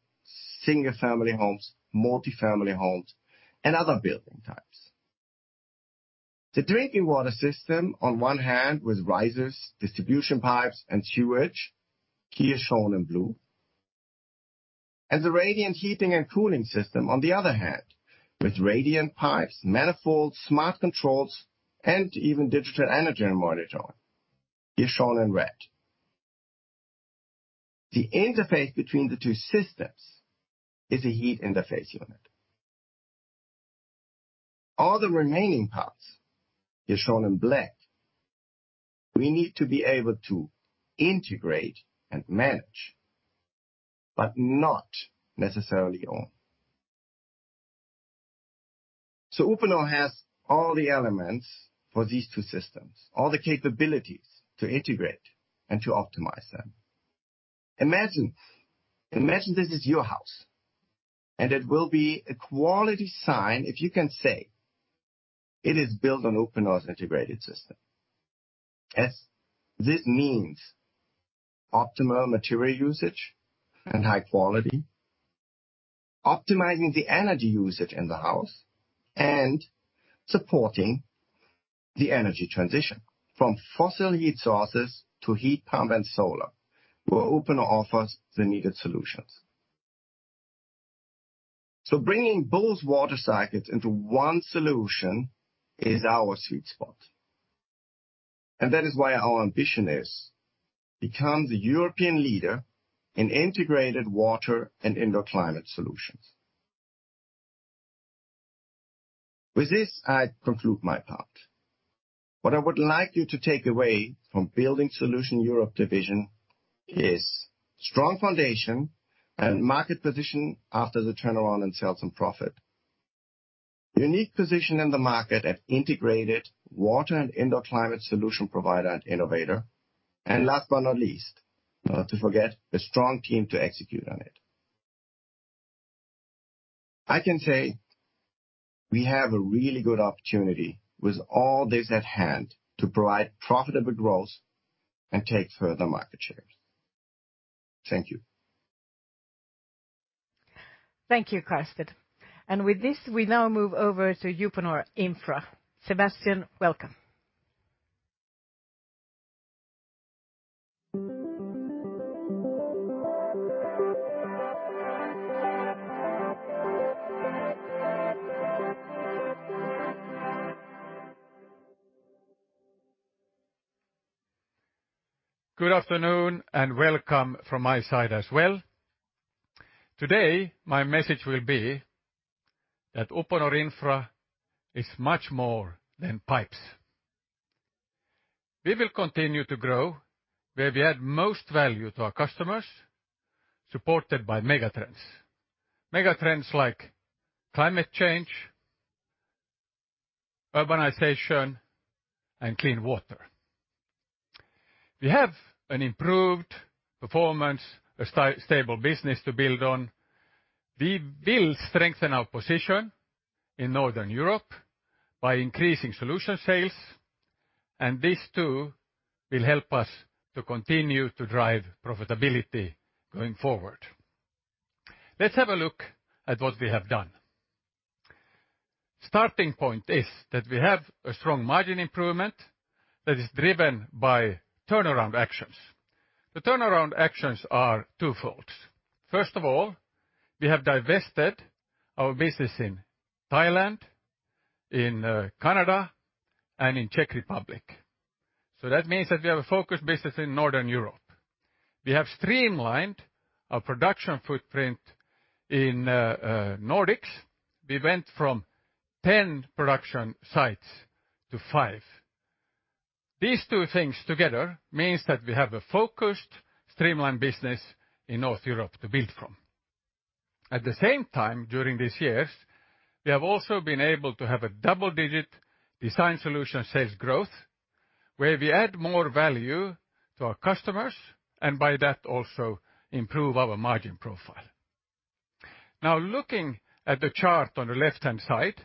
single family homes, multi-family homes, and other building types. The drinking water system on one hand with risers, distribution pipes and sewage, here shown in blue. The radiant heating and cooling system on the other hand, with radiant pipes, manifolds, smart controls, and even digital energy monitor, here shown in red. The interface between the two systems is a heat interface unit. All the remaining parts here shown in black, we need to be able to integrate and manage, but not necessarily own. Uponor has all the elements for these two systems, all the capabilities to integrate and to optimize them. Imagine this is your house, and it will be a quality sign if you can say it is built on Uponor integrated system, as this means optimal material usage and high quality, optimizing the energy usage in the house, and supporting the energy transition from fossil heat sources to heat pump and solar, where Uponor offers the needed solutions. Bringing both water cycles into one solution is our sweet spot. That is why our ambition is become the European leader in integrated water and indoor climate solutions. With this, I conclude my part. What I would like you to take away from Building Solutions Europe division is strong foundation and market position after the turnaround in sales and profit. Unique position in the market as integrated water and indoor climate solution provider and innovator. Last but not least, not to forget, a strong team to execute on it. I can say we have a really good opportunity with all this at hand to provide profitable growth and take further market shares. Thank you. Thank you, Karsten. With this, we now move over to Uponor Infra. Sebastian, welcome. Good afternoon, and welcome from my side as well. Today, my message will be that Uponor Infra is much more than pipes. We will continue to grow where we add most value to our customers, supported by megatrends. Megatrends like climate change, urbanization, and clean water. We have an improved performance, a stable business to build on. We will strengthen our position in Northern Europe by increasing solution sales, and this too will help us to continue to drive profitability going forward. Let's have a look at what we have done. Starting point is that we have a strong margin improvement that is driven by turnaround actions. The turnaround actions are twofold. First of all, we have divested our business in Thailand, in Canada, and in Czech Republic. That means that we have a focused business in Northern Europe. We have streamlined our production footprint in Nordics. We went from 10 production sites to 5. These two things together means that we have a focused, streamlined business in North Europe to build from. At the same time, during these years, we have also been able to have a double-digit design solution sales growth, where we add more value to our customers, and by that, also improve our margin profile. Now, looking at the chart on the left-hand side,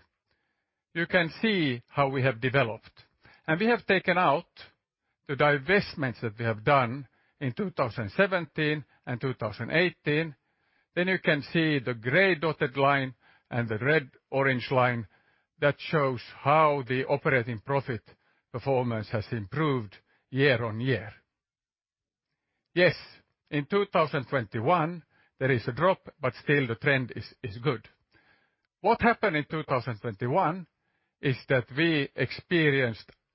you can see how we have developed. We have taken out the divestments that we have done in 2017 and 2018. You can see the gray dotted line and the red orange line that shows how the operating profit performance has improved year-on-year. Yes, in 2021, there is a drop, but still the trend is good. What happened in 2021 is that we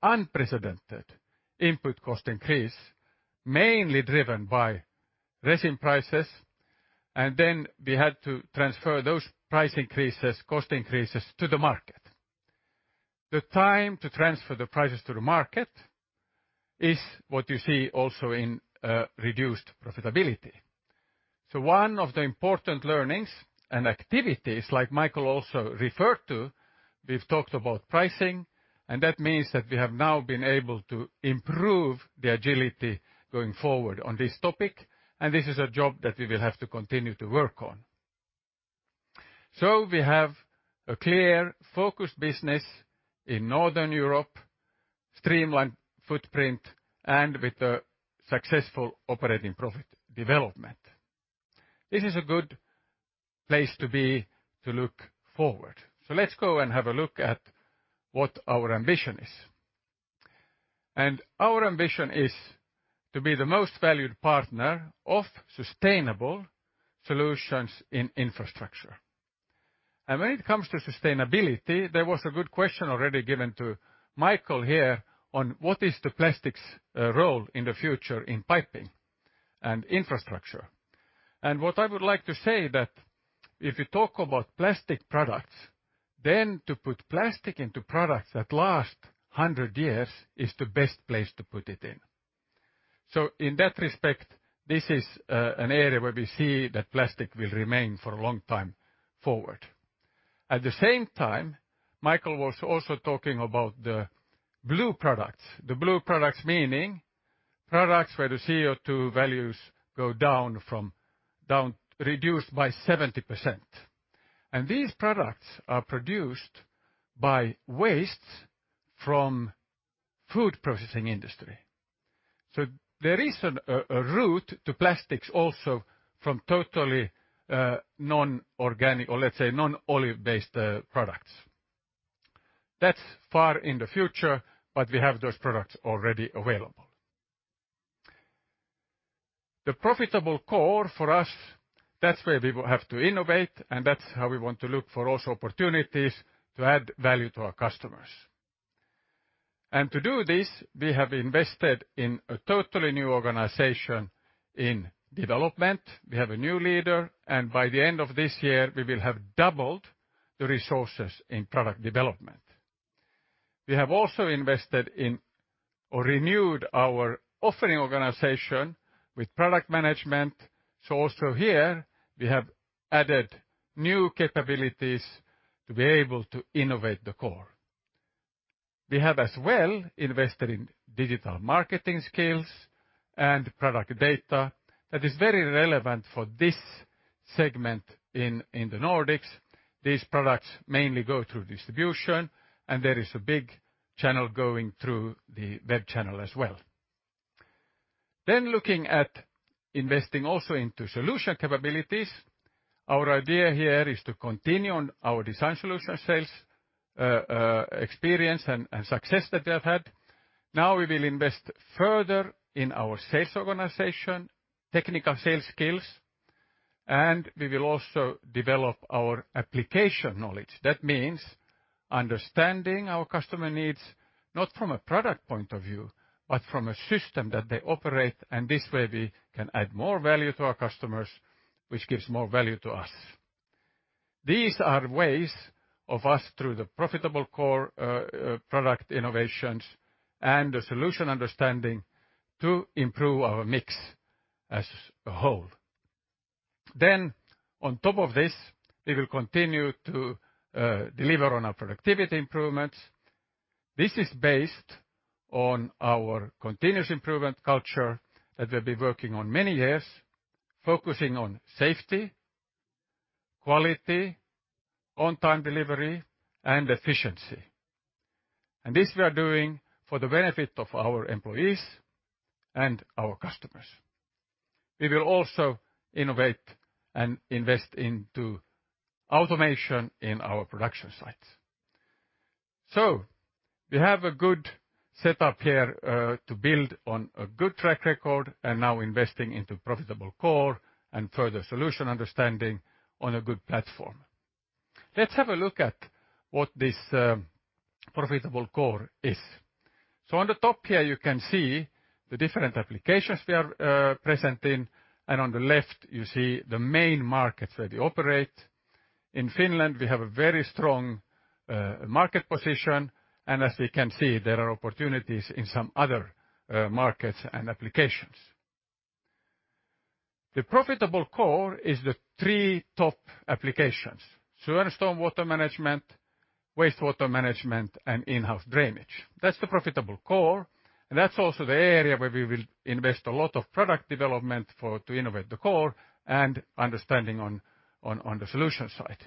experienced unprecedented input cost increase, mainly driven by resin prices, and then we had to transfer those price increases, cost increases to the market. The time to transfer the prices to the market is what you see also in reduced profitability. One of the important learnings and activities like Michael also referred to, we've talked about pricing, and that means that we have now been able to improve the agility going forward on this topic, and this is a job that we will have to continue to work on. We have a clear focused business in Northern Europe, streamlined footprint, and with a successful operating profit development. This is a good place to be to look forward. Let's go and have a look at what our ambition is. Our ambition is to be the most valued partner of sustainable solutions in infrastructure. When it comes to sustainability, there was a good question already given to Michael here on what is the plastics role in the future in piping and infrastructure. What I would like to say that if you talk about plastic products, then to put plastic into products that last hundred years is the best place to put it in. In that respect, this is an area where we see that plastic will remain for a long time forward. At the same time, Michael was also talking about the blue products. The blue products meaning products where the CO₂ values go down reduced by 70%. These products are produced by waste from food processing industry. There is a route to plastics also from totally non-organic or, let's say, non-oil based products. That's far in the future, but we have those products already available. The profitable core for us, that's where we will have to innovate, and that's how we want to look for also opportunities to add value to our customers. To do this, we have invested in a totally new organization in development. We have a new leader, and by the end of this year, we will have doubled the resources in product development. We have also invested in or renewed our offering organization with product management. Also here, we have added new capabilities to be able to innovate the core. We have as well invested in digital marketing skills and product data that is very relevant for this segment in the Nordics. These products mainly go through distribution, and there is a big channel going through the web channel as well. Looking at investing also into solution capabilities, our idea here is to continue on our design solution sales, experience and success that we have had. Now we will invest further in our sales organization, technical sales skills, and we will also develop our application knowledge. That means understanding our customer needs, not from a product point of view, but from a system that they operate, and this way we can add more value to our customers, which gives more value to us. These are ways of us through the profitable core, product innovations and the solution understanding to improve our mix as a whole. On top of this, we will continue to deliver on our productivity improvements. This is based on our continuous improvement culture that we've been working on many years, focusing on safety, quality, on-time delivery, and efficiency. This we are doing for the benefit of our employees and our customers. We will also innovate and invest into automation in our production sites. We have a good setup here to build on a good track record and now investing into profitable core and further solution understanding on a good platform. Let's have a look at what this profitable core is. On the top here, you can see the different applications we are present in. On the left, you see the main markets where they operate. In Finland, we have a very strong market position. As we can see, there are opportunities in some other markets and applications. The profitable core is the three top applications: sewer and stormwater management, wastewater management, and in-house drainage. That's the profitable core, and that's also the area where we will invest a lot of product development to innovate the core and understanding on the solution side.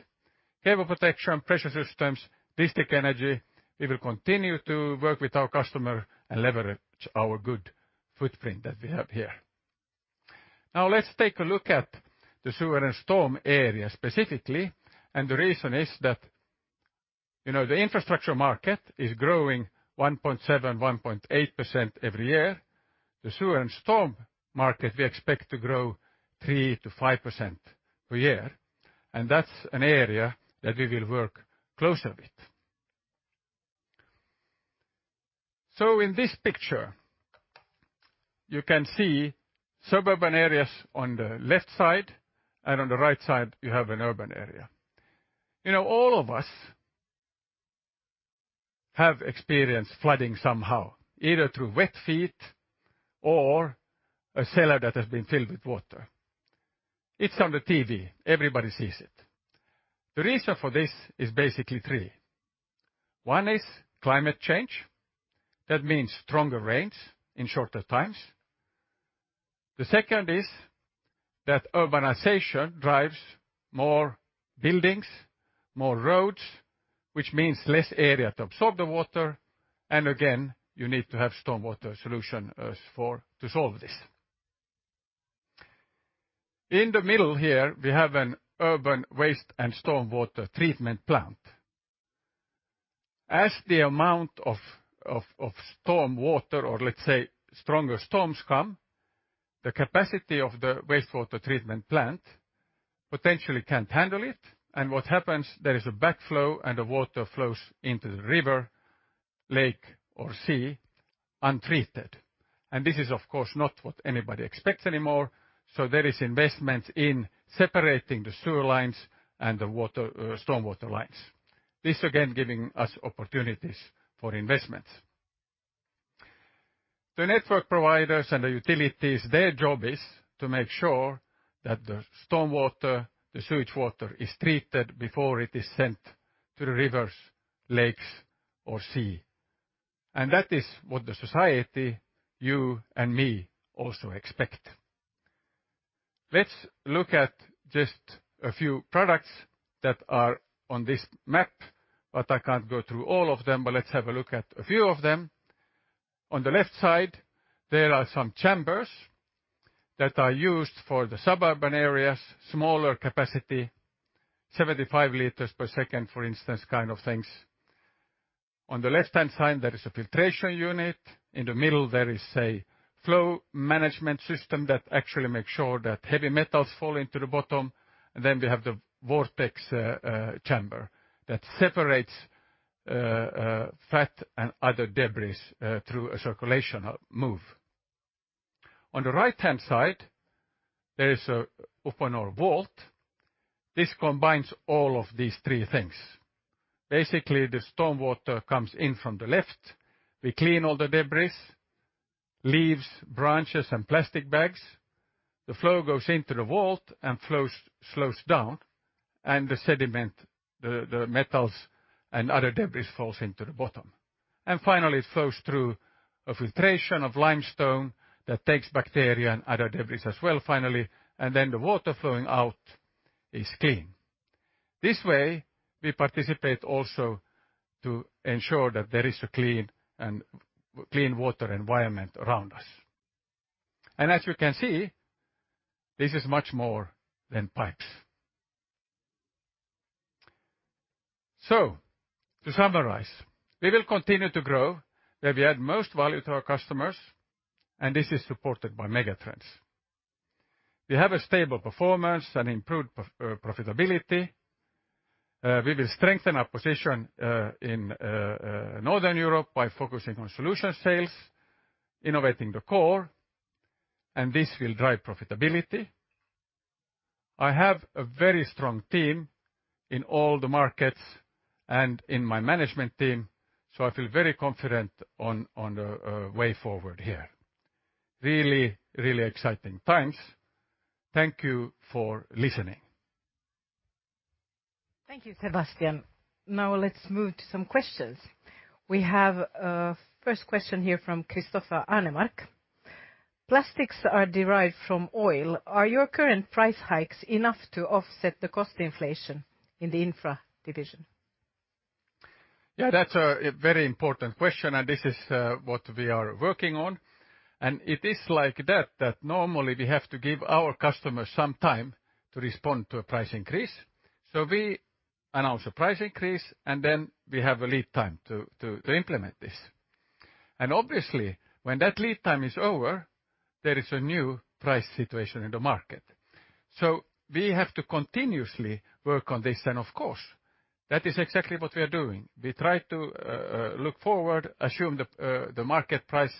Cable protection, pressure systems, district energy, we will continue to work with our customer and leverage our good footprint that we have here. Now let's take a look at the sewer and stormwater area specifically. The reason is that, you know, the infrastructure market is growing 1.7%-1.8% every year. The sewer and stormwater market we expect to grow 3%-5% per year, and that's an area that we will work closer with. In this picture, you can see suburban areas on the left side, and on the right side, you have an urban area. You know, all of us have experienced flooding somehow, either through wet feet or a cellar that has been filled with water. It's on the TV, everybody sees it. The reason for this is basically three. One is climate change. That means stronger rains in shorter times. The second is that urbanization drives more buildings, more roads, which means less area to absorb the water, and again, you need to have stormwater solution to solve this. In the middle here, we have an urban wastewater and stormwater treatment plant. As the amount of storm water or let's say stronger storms come, the capacity of the wastewater treatment plant potentially can't handle it. What happens, there is a backflow, and the water flows into the river, lake, or sea untreated. This is, of course, not what anybody expects anymore, so there is investment in separating the sewer lines and the water, stormwater lines. This again giving us opportunities for investments. The network providers and the utilities, their job is to make sure that the stormwater, the sewage water is treated before it is sent to the rivers, lakes, or sea. That is what the society, you and me also expect. Let's look at just a few products that are on this map, but I can't go through all of them. Let's have a look at a few of them. On the left side, there are some chambers that are used for the suburban areas, smaller capacity, 75 liters per second, for instance, kind of things. On the left-hand side, there is a filtration unit. In the middle, there is a flow management system that actually makes sure that heavy metals fall into the bottom. Then we have the vortex chamber that separates fat and other debris through a circulation move. On the right-hand side, there is a Uponor Vault. This combines all of these three things. Basically, the stormwater comes in from the left, we clean all the debris, leaves, branches, and plastic bags. The flow goes into the vault and slows down, and the sediment, the metals and other debris falls into the bottom. Finally, it flows through a filtration of limestone that takes bacteria and other debris as well, finally, and then the water flowing out is clean. This way, we participate also to ensure that there is a clean water environment around us. As you can see, this is much more than pipes. To summarize, we will continue to grow where we add most value to our customers, and this is supported by megatrends. We have a stable performance and improved profitability. We will strengthen our position in Northern Europe by focusing on solution sales, innovating the core, and this will drive profitability. I have a very strong team in all the markets and in my management team, so I feel very confident on the way forward here. Really exciting times. Thank you for listening. Thank you, Sebastian. Now let's move to some questions. We have a first question here from Christopher Arnemark. Plastics are derived from oil. Are your current price hikes enough to offset the cost inflation in the Uponor Infra division? Yeah, that's a very important question, and this is what we are working on. It is like that normally we have to give our customers some time to respond to a price increase. We announce a price increase, and then we have a lead time to implement this. Obviously, when that lead time is over, there is a new price situation in the market. We have to continuously work on this, and of course, that is exactly what we are doing. We try to look forward, assume the market price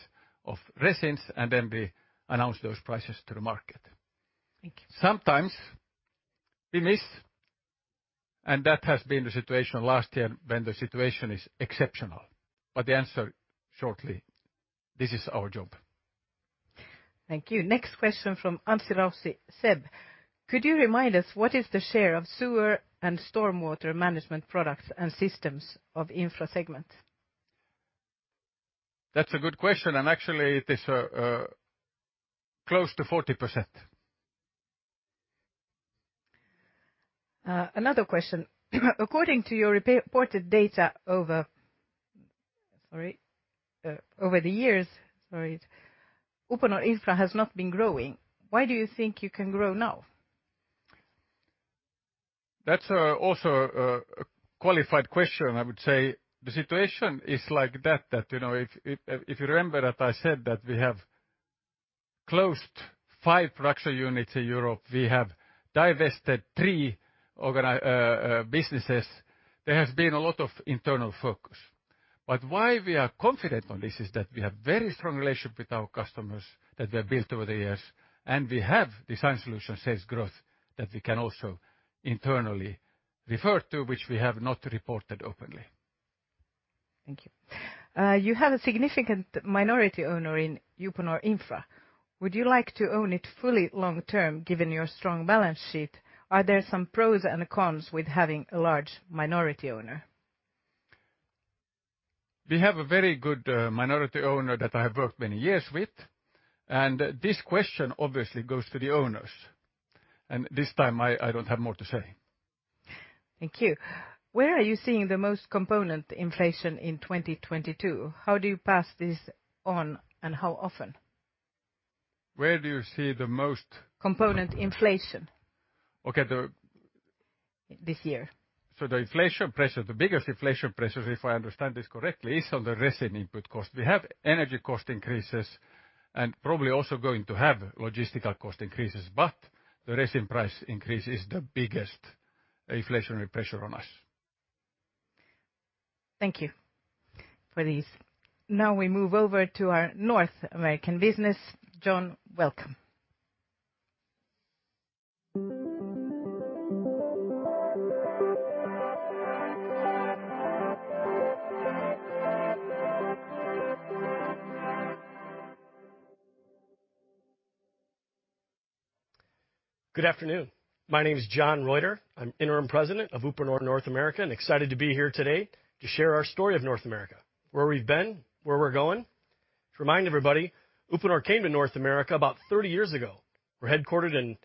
of resins, and then we announce those prices to the market. Thank you. Sometimes we miss, and that has been the situation last year when the situation is exceptional. The answer shortly, this is our job. Thank you. Next question from Anssi Raussi. Seb, could you remind us what is the share of sewer and stormwater management products and systems of Infra segment? That's a good question, and actually it is close to 40%. Another question. According to your reported data over the years, Uponor Infra has not been growing. Why do you think you can grow now? That's also a qualified question, I would say. The situation is like that, you know, if you remember that I said that we have closed 5 production units in Europe, we have divested 3 businesses. There has been a lot of internal focus. Why we are confident on this is that we have very strong relationship with our customers that we have built over the years, and we have design solution sales growth that we can also internally refer to, which we have not reported openly. Thank you. You have a significant minority owner in Uponor Infra. Would you like to own it fully long-term, given your strong balance sheet? Are there some pros and cons with having a large minority owner? We have a very good minority owner that I have worked many years with, and this question obviously goes to the owners. This time I don't have more to say. Thank you. Where are you seeing the most component inflation in 2022? How do you pass this on, and how often? Where do you see the most? Component inflation. Okay. This year. The inflation pressure, the biggest inflation pressure, if I understand this correctly, is on the resin input cost. We have energy cost increases and probably also going to have logistical cost increases, but the resin price increase is the biggest inflationary pressure on us. Thank you for these. Now we move over to our North American business. John, welcome. Good afternoon. My name is John Reuter. I'm Interim President of Uponor North America, and excited to be here today to share our story of North America, where we've been, where we're going. To remind everybody, Uponor came to North America about 30 years ago. We're headquartered in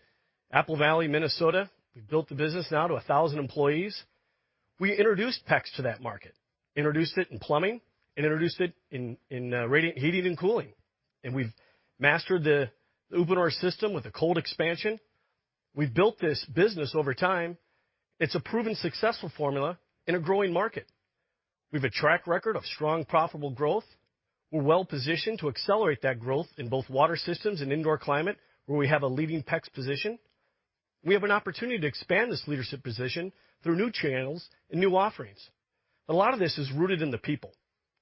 Apple Valley, Minnesota. We've built the business now to 1,000 employees. We introduced PEX to that market, introduced it in plumbing and introduced it in radiant heating and cooling. We've mastered the Uponor system with a cold expansion. We've built this business over time. It's a proven, successful formula in a growing market. We have a track record of strong, profitable growth. We're well-positioned to accelerate that growth in both water systems and indoor climate, where we have a leading PEX position. We have an opportunity to expand this leadership position through new channels and new offerings. A lot of this is rooted in the people.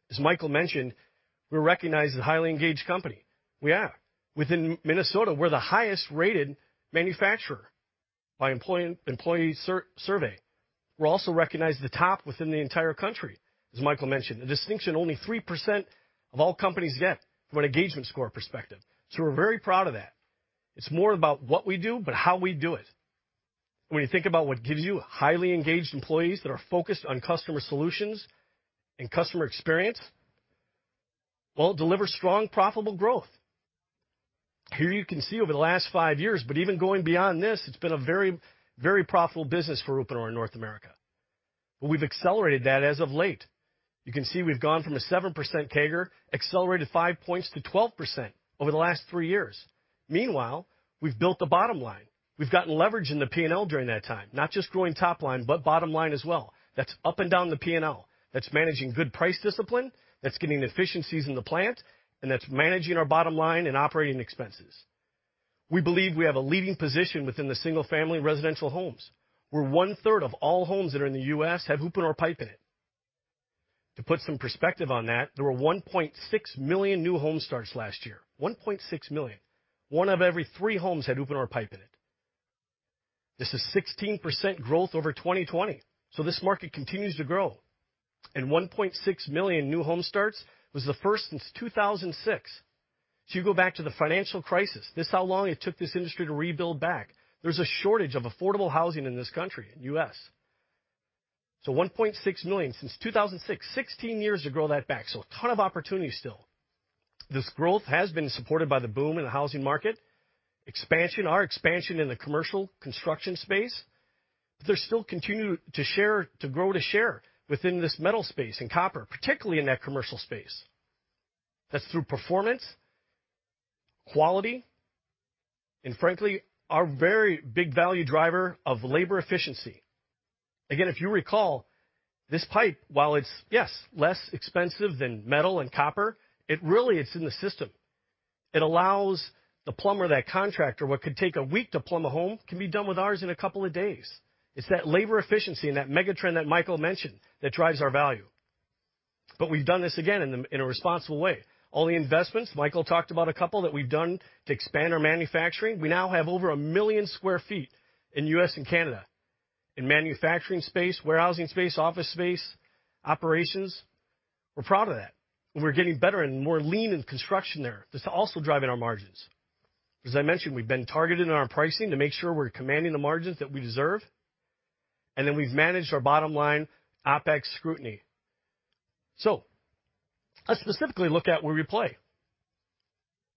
As Michael mentioned, we're recognized as a highly engaged company. We are. Within Minnesota, we're the highest-rated manufacturer by employee survey. We're also recognized at the top within the entire country, as Michael mentioned, a distinction only 3% of all companies get from an engagement score perspective. We're very proud of that. It's more about what we do, but how we do it. When you think about what gives you highly engaged employees that are focused on customer solutions and customer experience, well, it delivers strong, profitable growth. Here you can see over the last 5 years, but even going beyond this, it's been a very profitable business for Uponor North America. We've accelerated that as of late. You can see we've gone from a 7% CAGR, accelerated 5 points to 12% over the last 3 years. Meanwhile, we've built the bottom line. We've gotten leverage in the P&L during that time, not just growing top line, but bottom line as well. That's up and down the P&L. That's managing good price discipline, that's getting efficiencies in the plant, and that's managing our bottom line and operating expenses. We believe we have a leading position within the single-family residential homes, where 1/3 of all homes that are in the U.S. have Uponor pipe in it. To put some perspective on that, there were 1.6 million new home starts last year. 1.6 million. One of every 3 homes had Uponor pipe in it. This is 16% growth over 2020, so this market continues to grow. One point six million new home starts was the first since 2006. You go back to the financial crisis, this is how long it took this industry to rebuild back. There's a shortage of affordable housing in this country, in the U.S. One point six million since 2006, 16 years to grow that back. A ton of opportunity still. This growth has been supported by the boom in the housing market. Expansion, our expansion in the commercial construction space. There's still continue to grow, to share within this metal space in copper, particularly in that commercial space. That's through performance, quality, and frankly, our very big value driver of labor efficiency. Again, if you recall, this pipe, while it's, yes, less expensive than metal and copper, it really, it's in the system. It allows the plumber, that contractor, what could take a week to plumb a home, can be done with ours in a couple of days. It's that labor efficiency and that mega trend that Michael mentioned that drives our value. We've done this again in a responsible way. All the investments Michael talked about, a couple that we've done to expand our manufacturing. We now have over 1 million sq ft in U.S. and Canada in manufacturing space, warehousing space, office space, operations. We're proud of that. We're getting better and more lean in construction there. That's also driving our margins. As I mentioned, we've been targeted in our pricing to make sure we're commanding the margins that we deserve. Then we've managed our bottom line, OpEx scrutiny. Let's specifically look at where we play.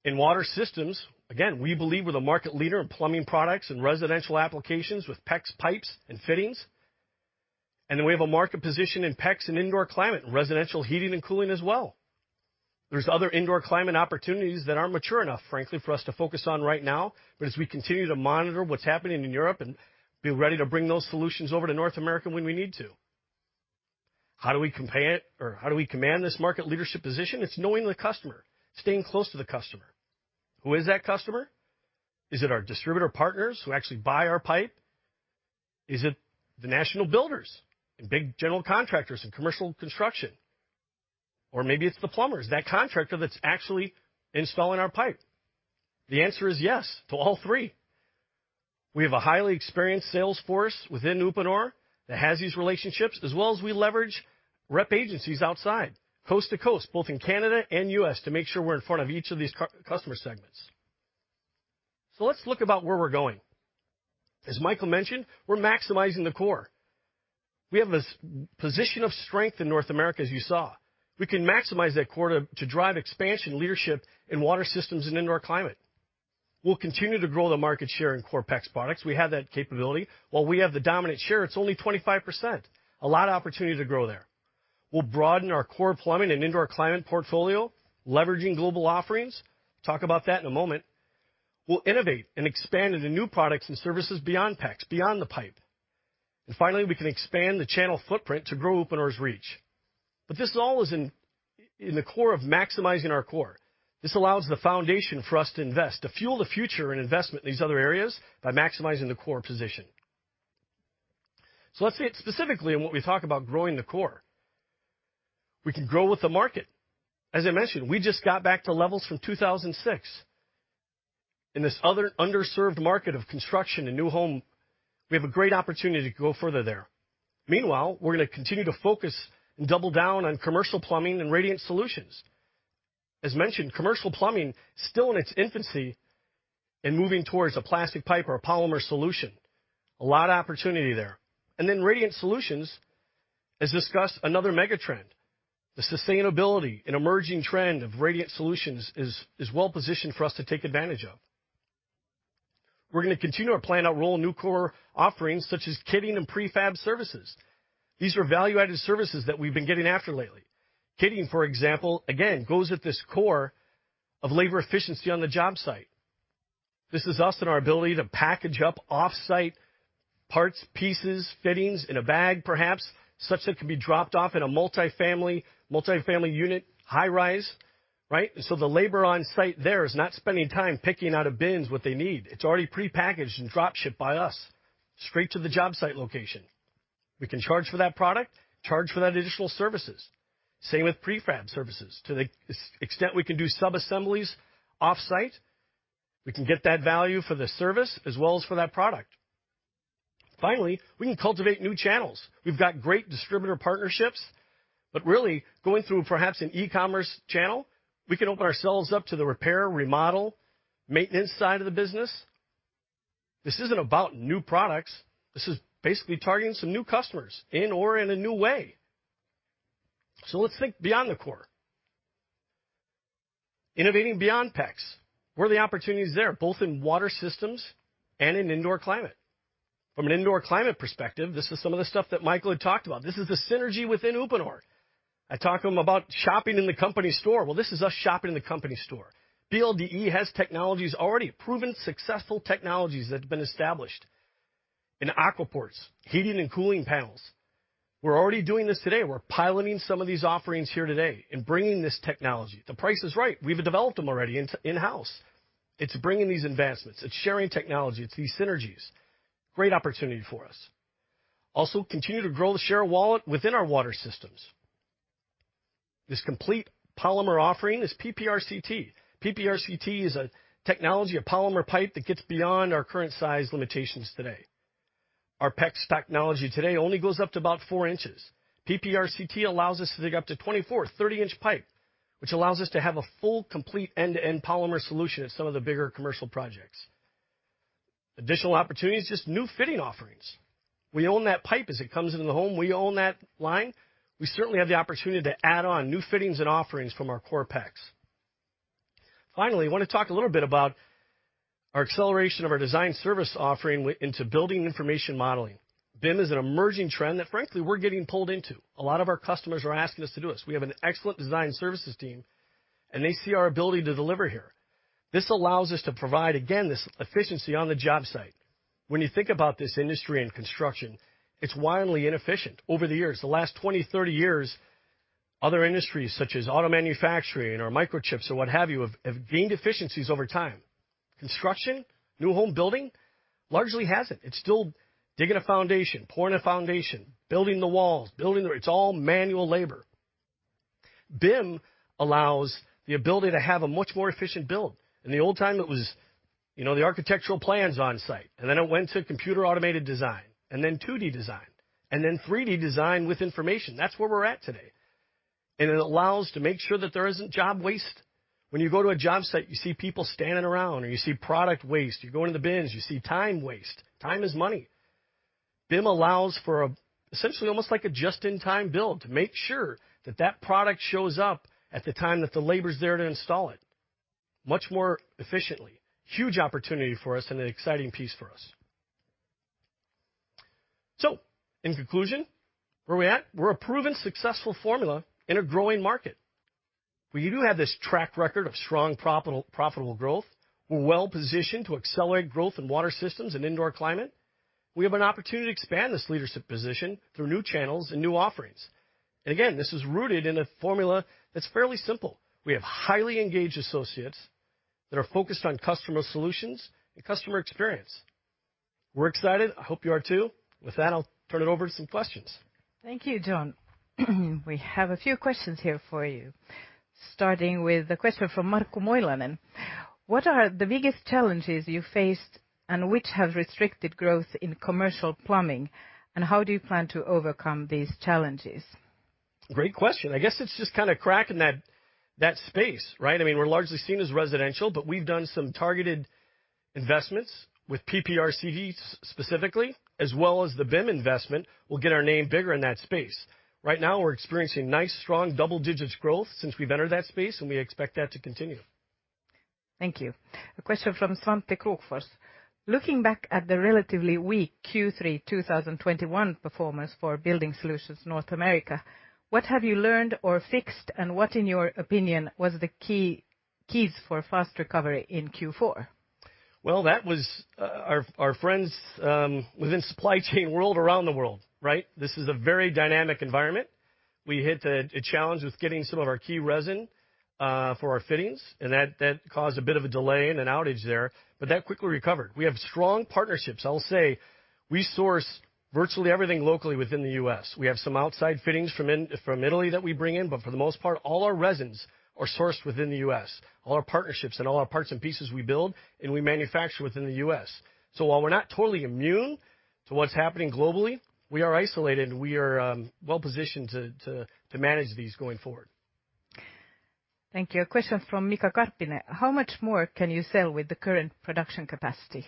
In water systems, again, we believe we're the market leader in plumbing products and residential applications with PEX pipes and fittings. We have a market position in PEX and indoor climate, and residential heating and cooling as well. There's other indoor climate opportunities that aren't mature enough, frankly, for us to focus on right now. As we continue to monitor what's happening in Europe and be ready to bring those solutions over to North America when we need to. How do we command this market leadership position? It's knowing the customer, staying close to the customer. Who is that customer? Is it our distributor partners who actually buy our pipe? Is it the national builders and big general contractors in commercial construction? Or maybe it's the plumbers, that contractor that's actually installing our pipe. The answer is yes to all three. We have a highly experienced sales force within Uponor that has these relationships, as well as we leverage rep agencies outside, coast to coast, both in Canada and U.S., to make sure we're in front of each of these customer segments. Let's look about where we're going. As Michael mentioned, we're maximizing the core. We have this position of strength in North America, as you saw. We can maximize that core to drive expansion leadership in water systems and indoor climate. We'll continue to grow the market share in core PEX products. We have that capability. While we have the dominant share, it's only 25%, a lot of opportunity to grow there. We'll broaden our core plumbing and indoor climate portfolio, leveraging global offerings. Talk about that in a moment. We'll innovate and expand into new products and services beyond PEX, beyond the pipe. Finally, we can expand the channel footprint to grow Uponor's reach. This all is in the core of maximizing our core. This allows the foundation for us to invest, to fuel the future in investment in these other areas by maximizing the core position. Let's get specifically on what we talk about growing the core. We can grow with the market. As I mentioned, we just got back to levels from 2006. In this other underserved market of construction and new home, we have a great opportunity to go further there. Meanwhile, we're gonna continue to focus and double down on commercial plumbing and radiant solutions. As mentioned, commercial plumbing still in its infancy and moving towards a plastic pipe or a polymer solution. A lot of opportunity there. Radiant solutions, as discussed, another mega trend. The sustainability and emerging trend of radiant solutions is well positioned for us to take advantage of. We're gonna continue our plan to roll out new core offerings such as kitting and prefab services. These are value-added services that we've been going after lately. Kitting, for example, again, goes at this core of labor efficiency on the job site. This is us and our ability to package up off-site parts, pieces, fittings in a bag perhaps, such that can be dropped off in a multifamily unit, high-rise, right? The labor on site there is not spending time picking out of bins what they need. It's already prepackaged and drop-shipped by us straight to the job site location. We can charge for that product, charge for that additional services. Same with prefab services. To the extent we can do subassemblies off-site, we can get that value for the service as well as for that product. Finally, we can cultivate new channels. We've got great distributor partnerships, but really going through perhaps an e-commerce channel, we can open ourselves up to the repair, remodel, maintenance side of the business. This isn't about new products. This is basically targeting some new customers or in a new way. Let's think beyond the core. Innovating beyond PEX. Where are the opportunities there, both in water systems and in indoor climate? From an indoor climate perspective, this is some of the stuff that Michael had talked about. This is the synergy within Uponor. I talk to him about shopping in the company store. Well, this is us shopping in the company store. BSE has technologies already, proven successful technologies that have been established in Aqua Port, heating and cooling panels. We're already doing this today. We're piloting some of these offerings here today and bringing this technology. The price is right. We've developed them already in-house. It's bringing these advancements. It's sharing technology. It's these synergies. Great opportunity for us. Also, continue to grow the share of wallet within our water systems. This complete polymer offering is PP-RCT. PP-RCT is a technology, a polymer pipe that gets beyond our current size limitations today. Our PEX technology today only goes up to about four inches. PP-RCT allows us to think up to 24- to 30-inch pipe, which allows us to have a full complete end-to-end polymer solution at some of the bigger commercial projects. Additional opportunities, just new fitting offerings. We own that pipe as it comes into the home. We own that line. We certainly have the opportunity to add on new fittings and offerings from our core PEX. Finally, I wanna talk a little bit about our acceleration of our design service offering into building information modeling. BIM is an emerging trend that frankly we're getting pulled into. A lot of our customers are asking us to do this. We have an excellent design services team, and they see our ability to deliver here. This allows us to provide, again, this efficiency on the job site. When you think about this industry and construction, it's wildly inefficient. Over the years, the last 20, 30 years, other industries such as auto manufacturing or microchips or what have you have gained efficiencies over time. Construction, new home building largely hasn't. It's still digging a foundation, pouring a foundation, building the walls. It's all manual labor. BIM allows the ability to have a much more efficient build. In the old time, it was, you know, the architectural plans on-site, and then it went to computer-automated design and then 2D design and then 3D design with information. That's where we're at today. It allows to make sure that there isn't job waste. When you go to a job site, you see people standing around or you see product waste. You go into the bins, you see time waste. Time is money. BIM allows for a essentially almost like a just-in-time build to make sure that that product shows up at the time that the labor's there to install it much more efficiently. Huge opportunity for us and an exciting piece for us. In conclusion, where are we at? We're a proven successful formula in a growing market, where you do have this track record of strong profitable growth. We're well-positioned to accelerate growth in water systems and indoor climate. We have an opportunity to expand this leadership position through new channels and new offerings. This is rooted in a formula that's fairly simple. We have highly engaged associates that are focused on customer solutions and customer experience. We're excited. I hope you are too. With that, I'll turn it over to some questions. Thank you, John. We have a few questions here for you. Starting with a question from Marko Moilanen. What are the biggest challenges you faced and which have restricted growth in commercial plumbing, and how do you plan to overcome these challenges? Great question. I guess it's just kinda cracking that space, right? I mean, we're largely seen as residential, but we've done some targeted investments with PP-RCT specifically, as well as the BIM investment, will get our name bigger in that space. Right now, we're experiencing nice, strong double-digit growth since we've entered that space, and we expect that to continue. Thank you. A question from Svante Krokfors. Looking back at the relatively weak Q3 2021 performance for Building Solutions – North America, what have you learned or fixed, and what, in your opinion, was the keys for fast recovery in Q4? Well, that was our friends within supply chain world around the world, right? This is a very dynamic environment. We hit a challenge with getting some of our key resin for our fittings, and that caused a bit of a delay and an outage there, but that quickly recovered. We have strong partnerships. I will say we source virtually everything locally within the U.S. We have some outside fittings from Italy that we bring in, but for the most part, all our resins are sourced within the U.S. All our partnerships and all our parts and pieces we build, and we manufacture within the U.S. While we're not totally immune to what's happening globally, we are isolated and we are well-positioned to manage these going forward. Thank you. A question from Mika Karppinen. How much more can you sell with the current production capacity?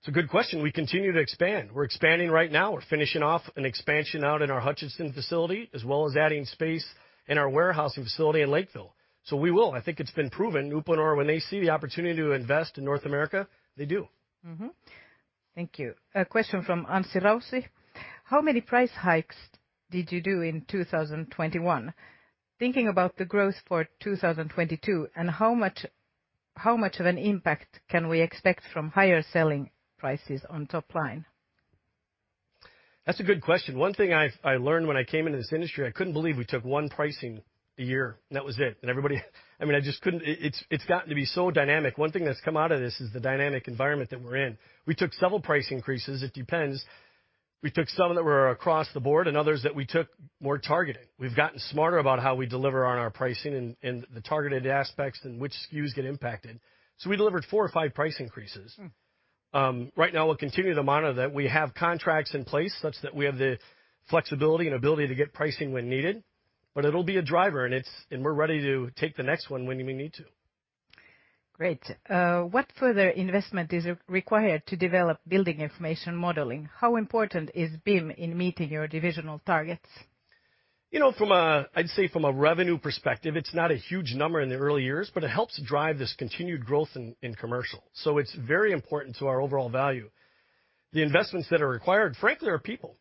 It's a good question. We continue to expand. We're expanding right now. We're finishing off an expansion out in our Hutchinson facility, as well as adding space in our warehousing facility in Lakeville. We will. I think it's been proven, Uponor, when they see the opportunity to invest in North America, they do. Thank you. A question from Anssi Raussi. How many price hikes did you do in 2021? Thinking about the growth for 2022, and how much of an impact can we expect from higher selling prices on top line? That's a good question. One thing I learned when I came into this industry, I couldn't believe we took one pricing a year, and that was it. I just couldn't. It's gotten to be so dynamic. One thing that's come out of this is the dynamic environment that we're in. We took several price increases. It depends. We took some that were across the board, and others that we took more targeted. We've gotten smarter about how we deliver on our pricing and the targeted aspects and which SKUs get impacted. We delivered 4 or 5 price increases. Right now we'll continue to monitor that. We have contracts in place such that we have the flexibility and ability to get pricing when needed, but it'll be a driver, and we're ready to take the next one when we need to. Great. What further investment is required to develop Building Information Modeling? How important is BIM in meeting your divisional targets? You know, I'd say from a revenue perspective, it's not a huge number in the early years, but it helps drive this continued growth in commercial. It's very important to our overall value. The investments that are required, frankly, are people.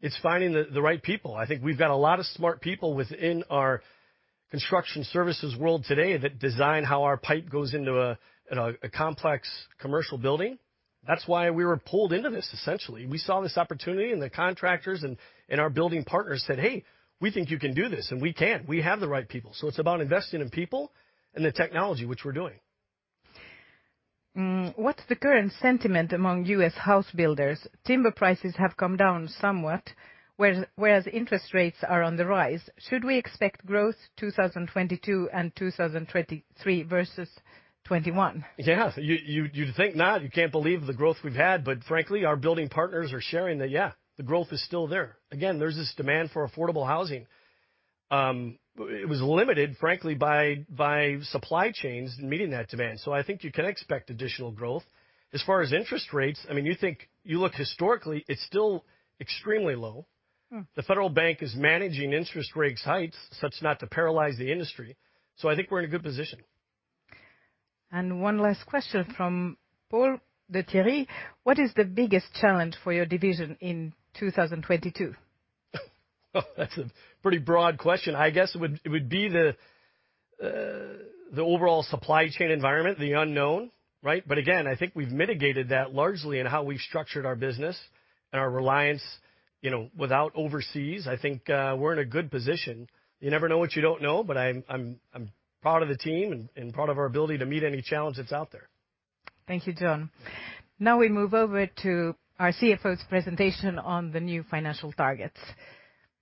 It's finding the right people. I think we've got a lot of smart people within our construction services world today that design how our pipe goes into a complex commercial building. That's why we were pulled into this, essentially. We saw this opportunity, and the contractors and our building partners said, "Hey, we think you can do this." We can. We have the right people. It's about investing in people and the technology, which we're doing. What's the current sentiment among U.S. house builders? Timber prices have come down somewhat, whereas interest rates are on the rise. Should we expect growth 2022 and 2023 versus 2021? Yeah. You'd think not. You can't believe the growth we've had, but frankly, our building partners are sharing that, yeah, the growth is still there. Again, there's this demand for affordable housing. It was limited, frankly, by supply chains meeting that demand. I think you can expect additional growth. As far as interest rates, I mean, you look historically, it's still extremely low. Mm. The Fed is managing interest rate hikes so as not to paralyze the industry. I think we're in a good position. One last question from Paul de-Thierry. What is the biggest challenge for your division in 2022? That's a pretty broad question. I guess it would be the overall supply chain environment, the unknown, right? Again, I think we've mitigated that largely in how we've structured our business and our reliance, you know, without overseas. I think we're in a good position. You never know what you don't know, but I'm proud of the team and proud of our ability to meet any challenge that's out there. Thank you, John. Now we move over to our CFO's presentation on the new financial targets.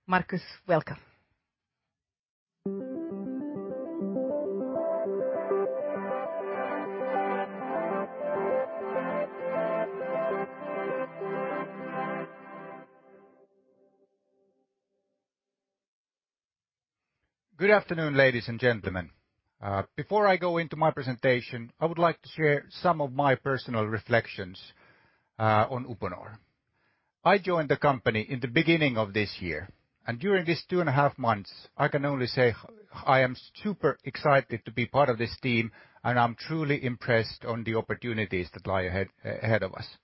Markus, welcome. Good afternoon, ladies and gentlemen. Before I go into my presentation, I would like to share some of my personal reflections on Uponor. I joined the company in the beginning of this year, and during these two and a half months, I can only say I am super excited to be part of this team, and I'm truly impressed on the opportunities that lie ahead of us.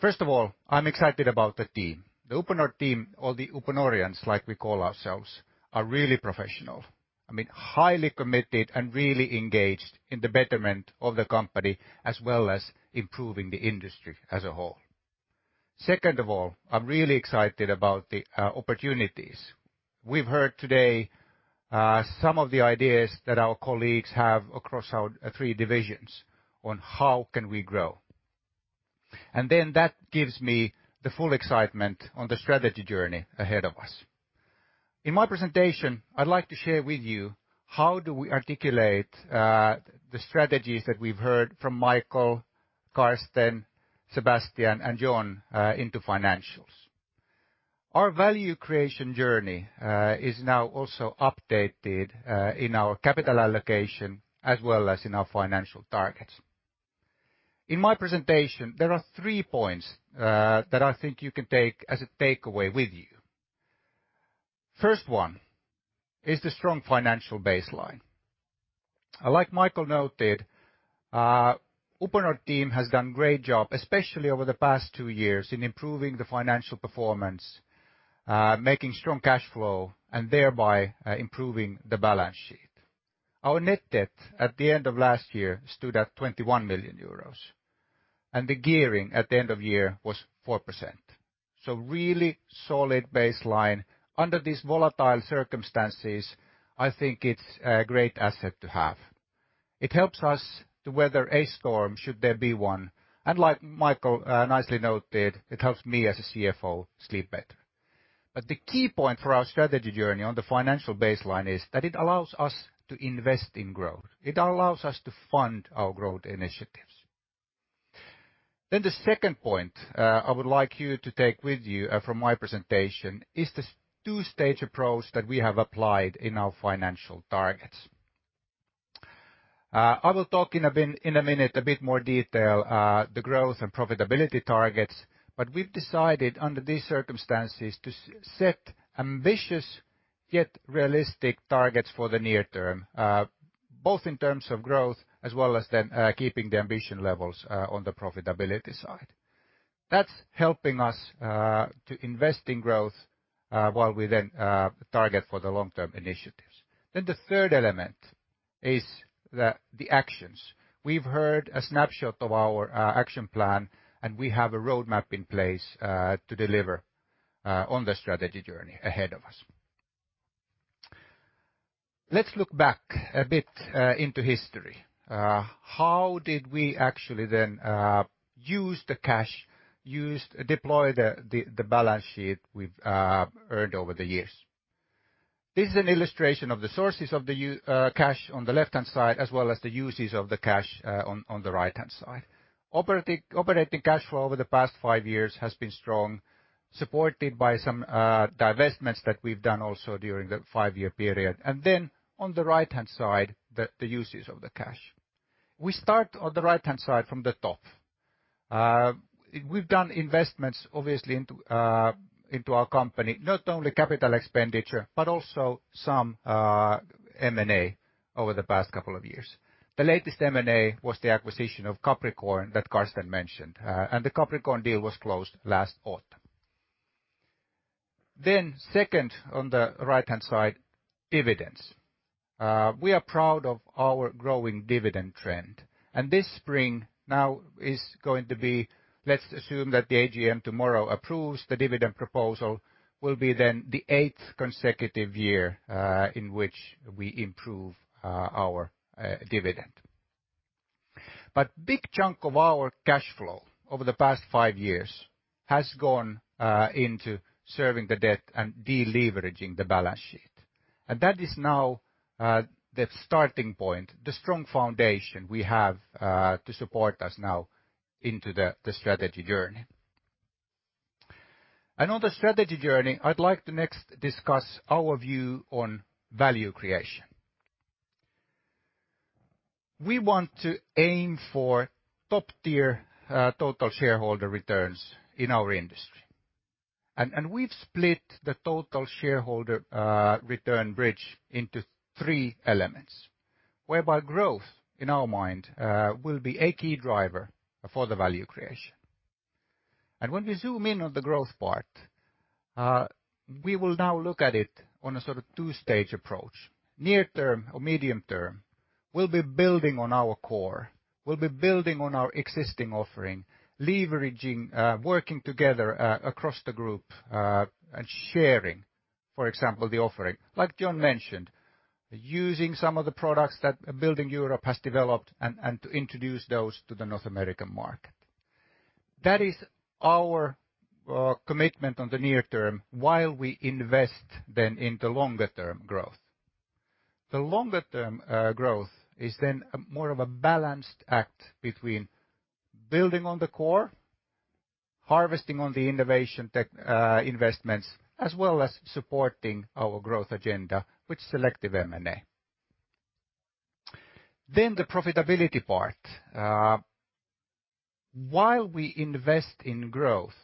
First of all, I'm excited about the team. The Uponor team, or the Uponorians, like we call ourselves, are really professional. I mean, highly committed and really engaged in the betterment of the company, as well as improving the industry as a whole. Second of all, I'm really excited about the opportunities. We've heard today some of the ideas that our colleagues have across our three divisions on how can we grow. That gives me the full excitement on the strategy journey ahead of us. In my presentation, I'd like to share with you how do we articulate the strategies that we've heard from Michael, Karsten, Sebastian, and John into financials. Our value creation journey is now also updated in our capital allocation as well as in our financial targets. In my presentation, there are three points that I think you can take as a takeaway with you. First one is the strong financial baseline. Like Michael noted, Uponor team has done great job, especially over the past two years, in improving the financial performance, making strong cash flow, and thereby improving the balance sheet. Our net debt at the end of last year stood at 21 million euros, and the gearing at the end of year was 4%. Really solid baseline. Under these volatile circumstances, I think it's a great asset to have. It helps us to weather a storm should there be one, and like Michael nicely noted, it helps me as a CFO sleep better. But the key point for our strategy journey on the financial baseline is that it allows us to invest in growth. It allows us to fund our growth initiatives. The second point, I would like you to take with you, from my presentation is this two-stage approach that we have applied in our financial targets. I will talk in a bit, in a minute a bit more detail the growth and profitability targets, but we've decided under these circumstances to set ambitious yet realistic targets for the near term, both in terms of growth as well as then keeping the ambition levels on the profitability side. That's helping us to invest in growth while we then target for the long-term initiatives. The third element is the actions. We've heard a snapshot of our action plan, and we have a roadmap in place to deliver on the strategy journey ahead of us. Let's look back a bit into history. How did we actually then use the cash to deploy the balance sheet we've earned over the years? This is an illustration of the sources of the cash on the left-hand side, as well as the uses of the cash on the right-hand side. Operating cash flow over the past five years has been strong, supported by some divestments that we've done also during the five-year period, and then on the right-hand side, the uses of the cash. We start on the right-hand side from the top. We've done investments obviously into our company, not only capital expenditure, but also some M&A over the past couple of years. The latest M&A was the acquisition of Capricorn that Karsten mentioned, and the Capricorn deal was closed last autumn. Second on the right-hand side, dividends. We are proud of our growing dividend trend, and this spring now is going to be, let's assume that the AGM tomorrow approves the dividend proposal, will be then the eighth consecutive year in which we improve our dividend. Big chunk of our cash flow over the past five years has gone into serving the debt and deleveraging the balance sheet. That is now the starting point, the strong foundation we have to support us now into the strategy journey. On the strategy journey, I'd like to next discuss our view on value creation. We want to aim for top-tier total shareholder returns in our industry. We've split the total shareholder return bridge into three elements, whereby growth, in our mind, will be a key driver for the value creation. When we zoom in on the growth part, we will now look at it on a sort of two-stage approach. Near term or medium term, we'll be building on our core. We'll be building on our existing offering, leveraging, working together, across the group, and sharing, for example, the offering. Like John mentioned, using some of the products that Building Europe has developed and to introduce those to the North American market. That is our commitment on the near term while we invest then in the longer-term growth. The longer-term growth is then more of a balanced act between building on the core, harvesting on the innovation, tech investments, as well as supporting our growth agenda with selective M&A. The profitability part. While we invest in growth,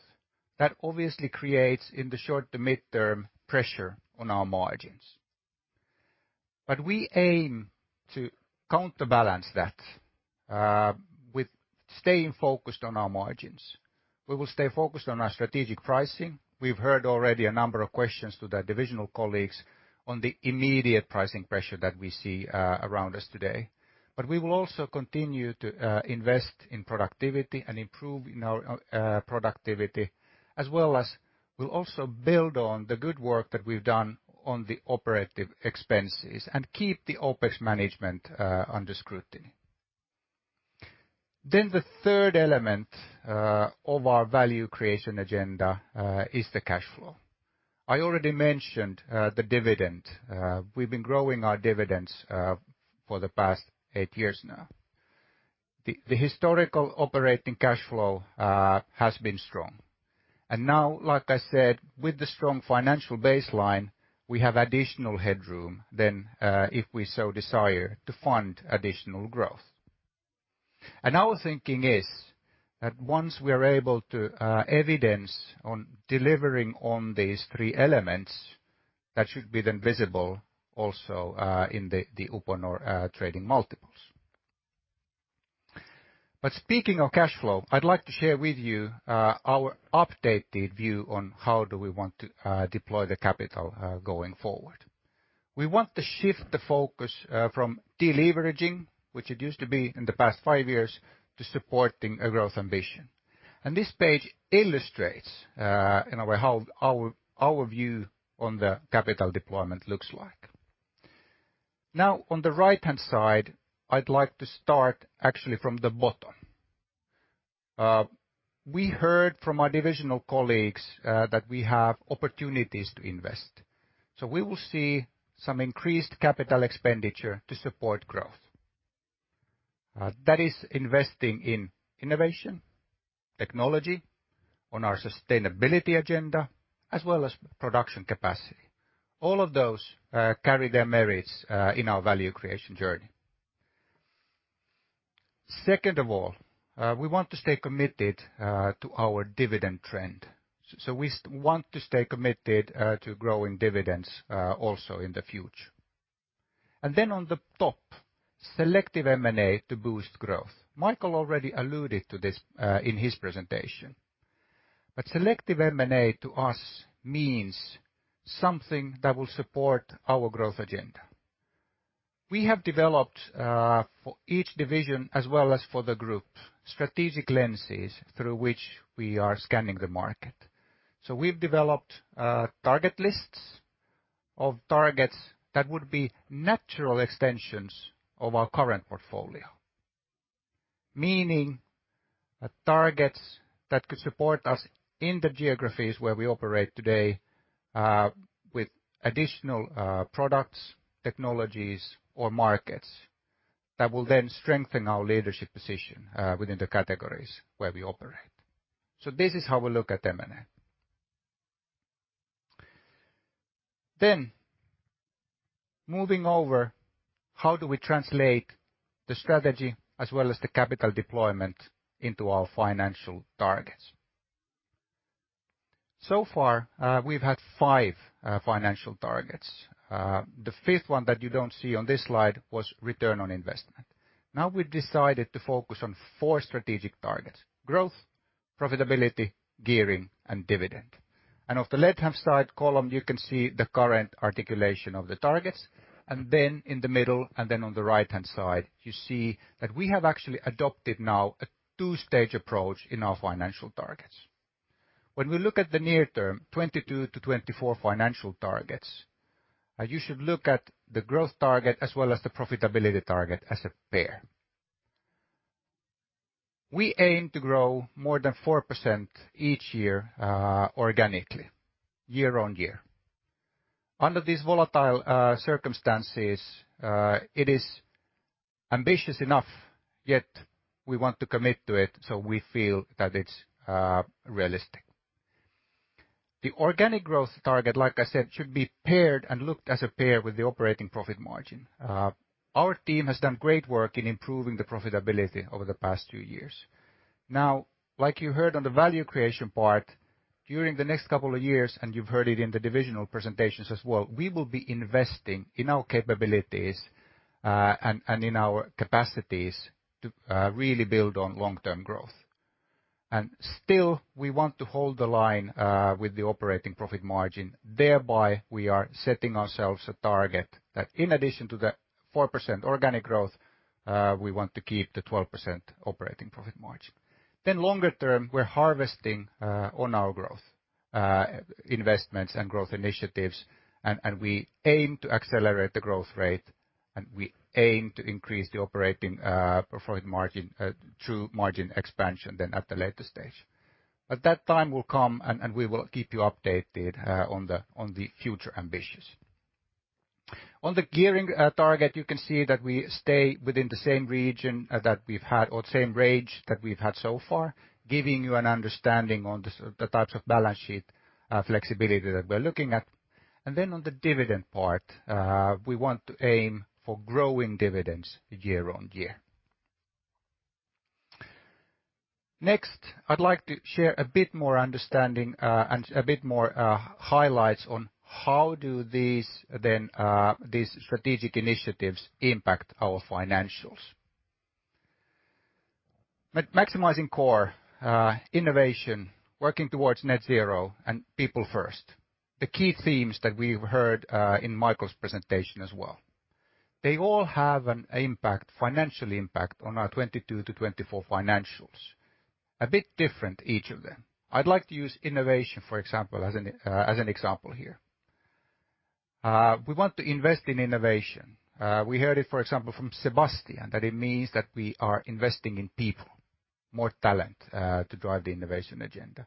that obviously creates in the short to midterm pressure on our margins. We aim to counterbalance that, with staying focused on our margins. We will stay focused on our strategic pricing. We've heard already a number of questions to the divisional colleagues on the immediate pricing pressure that we see, around us today. We will also continue to invest in productivity and improve in our productivity. We'll also build on the good work that we've done on the operative expenses and keep the OpEx management under scrutiny. The third element of our value creation agenda is the cash flow. I already mentioned the dividend. We've been growing our dividends for the past eight years now. The historical operating cash flow has been strong. Now, like I said, with the strong financial baseline, we have additional headroom than if we so desire to fund additional growth. Our thinking is that once we are able to evidence on delivering on these three elements, that should be then visible also in the Uponor trading multiples. Speaking of cash flow, I'd like to share with you our updated view on how do we want to deploy the capital going forward. We want to shift the focus from deleveraging, which it used to be in the past five years, to supporting a growth ambition. This page illustrates in a way how our view on the capital deployment looks like. Now, on the right-hand side, I'd like to start actually from the bottom. We heard from our divisional colleagues that we have opportunities to invest. We will see some increased capital expenditure to support growth. That is investing in innovation, technology, on our sustainability agenda, as well as production capacity. All of those carry their merits in our value creation journey. Second of all, we want to stay committed to our dividend trend. We want to stay committed to growing dividends also in the future. On top, selective M&A to boost growth. Michael already alluded to this in his presentation. Selective M&A to us means something that will support our growth agenda. We have developed for each division as well as for the group strategic lenses through which we are scanning the market. We've developed target lists of targets that would be natural extensions of our current portfolio. Meaning, targets that could support us in the geographies where we operate today, with additional products, technologies, or markets that will then strengthen our leadership position within the categories where we operate. This is how we look at M&A. Moving over, how do we translate the strategy as well as the capital deployment into our financial targets? So far, we've had five financial targets. The fifth one that you don't see on this slide was return on investment. Now we've decided to focus on four strategic targets, growth, profitability, gearing, and dividend. On the left-hand side column, you can see the current articulation of the targets. In the middle, on the right-hand side, you see that we have actually adopted now a two-stage approach in our financial targets. When we look at the near term, 2022-2024 financial targets, you should look at the growth target as well as the profitability target as a pair. We aim to grow more than 4% each year, organically, year-on-year. Under these volatile circumstances, it is ambitious enough, yet we want to commit to it, so we feel that it's realistic. The organic growth target, like I said, should be paired and looked as a pair with the operating profit margin. Our team has done great work in improving the profitability over the past 2 years. Now, like you heard on the value creation part, during the next couple of years, and you've heard it in the divisional presentations as well, we will be investing in our capabilities and in our capacities to really build on long-term growth. Still, we want to hold the line with the operating profit margin. Thereby, we are setting ourselves a target that in addition to the 4% organic growth, we want to keep the 12% operating profit margin. Longer term, we're harvesting on our growth investments and growth initiatives, and we aim to accelerate the growth rate, and we aim to increase the operating profit margin through margin expansion and at the later stage. That time will come and we will keep you updated on the future ambitions. On the gearing target, you can see that we stay within the same region that we've had or the same range that we've had so far, giving you an understanding on the types of balance sheet flexibility that we're looking at. On the dividend part, we want to aim for growing dividends year on year. Next, I'd like to share a bit more understanding and a bit more highlights on how do these then these strategic initiatives impact our financials. Maximizing core innovation, working towards net zero, and People First. The key themes that we've heard in Michael's presentation as well. They all have an impact, financial impact on our 2022 to 2024 financials. A bit different, each of them. I'd like to use innovation, for example, as an example here. We want to invest in innovation. We heard it, for example, from Sebastian, that it means that we are investing in people, more talent, to drive the innovation agenda.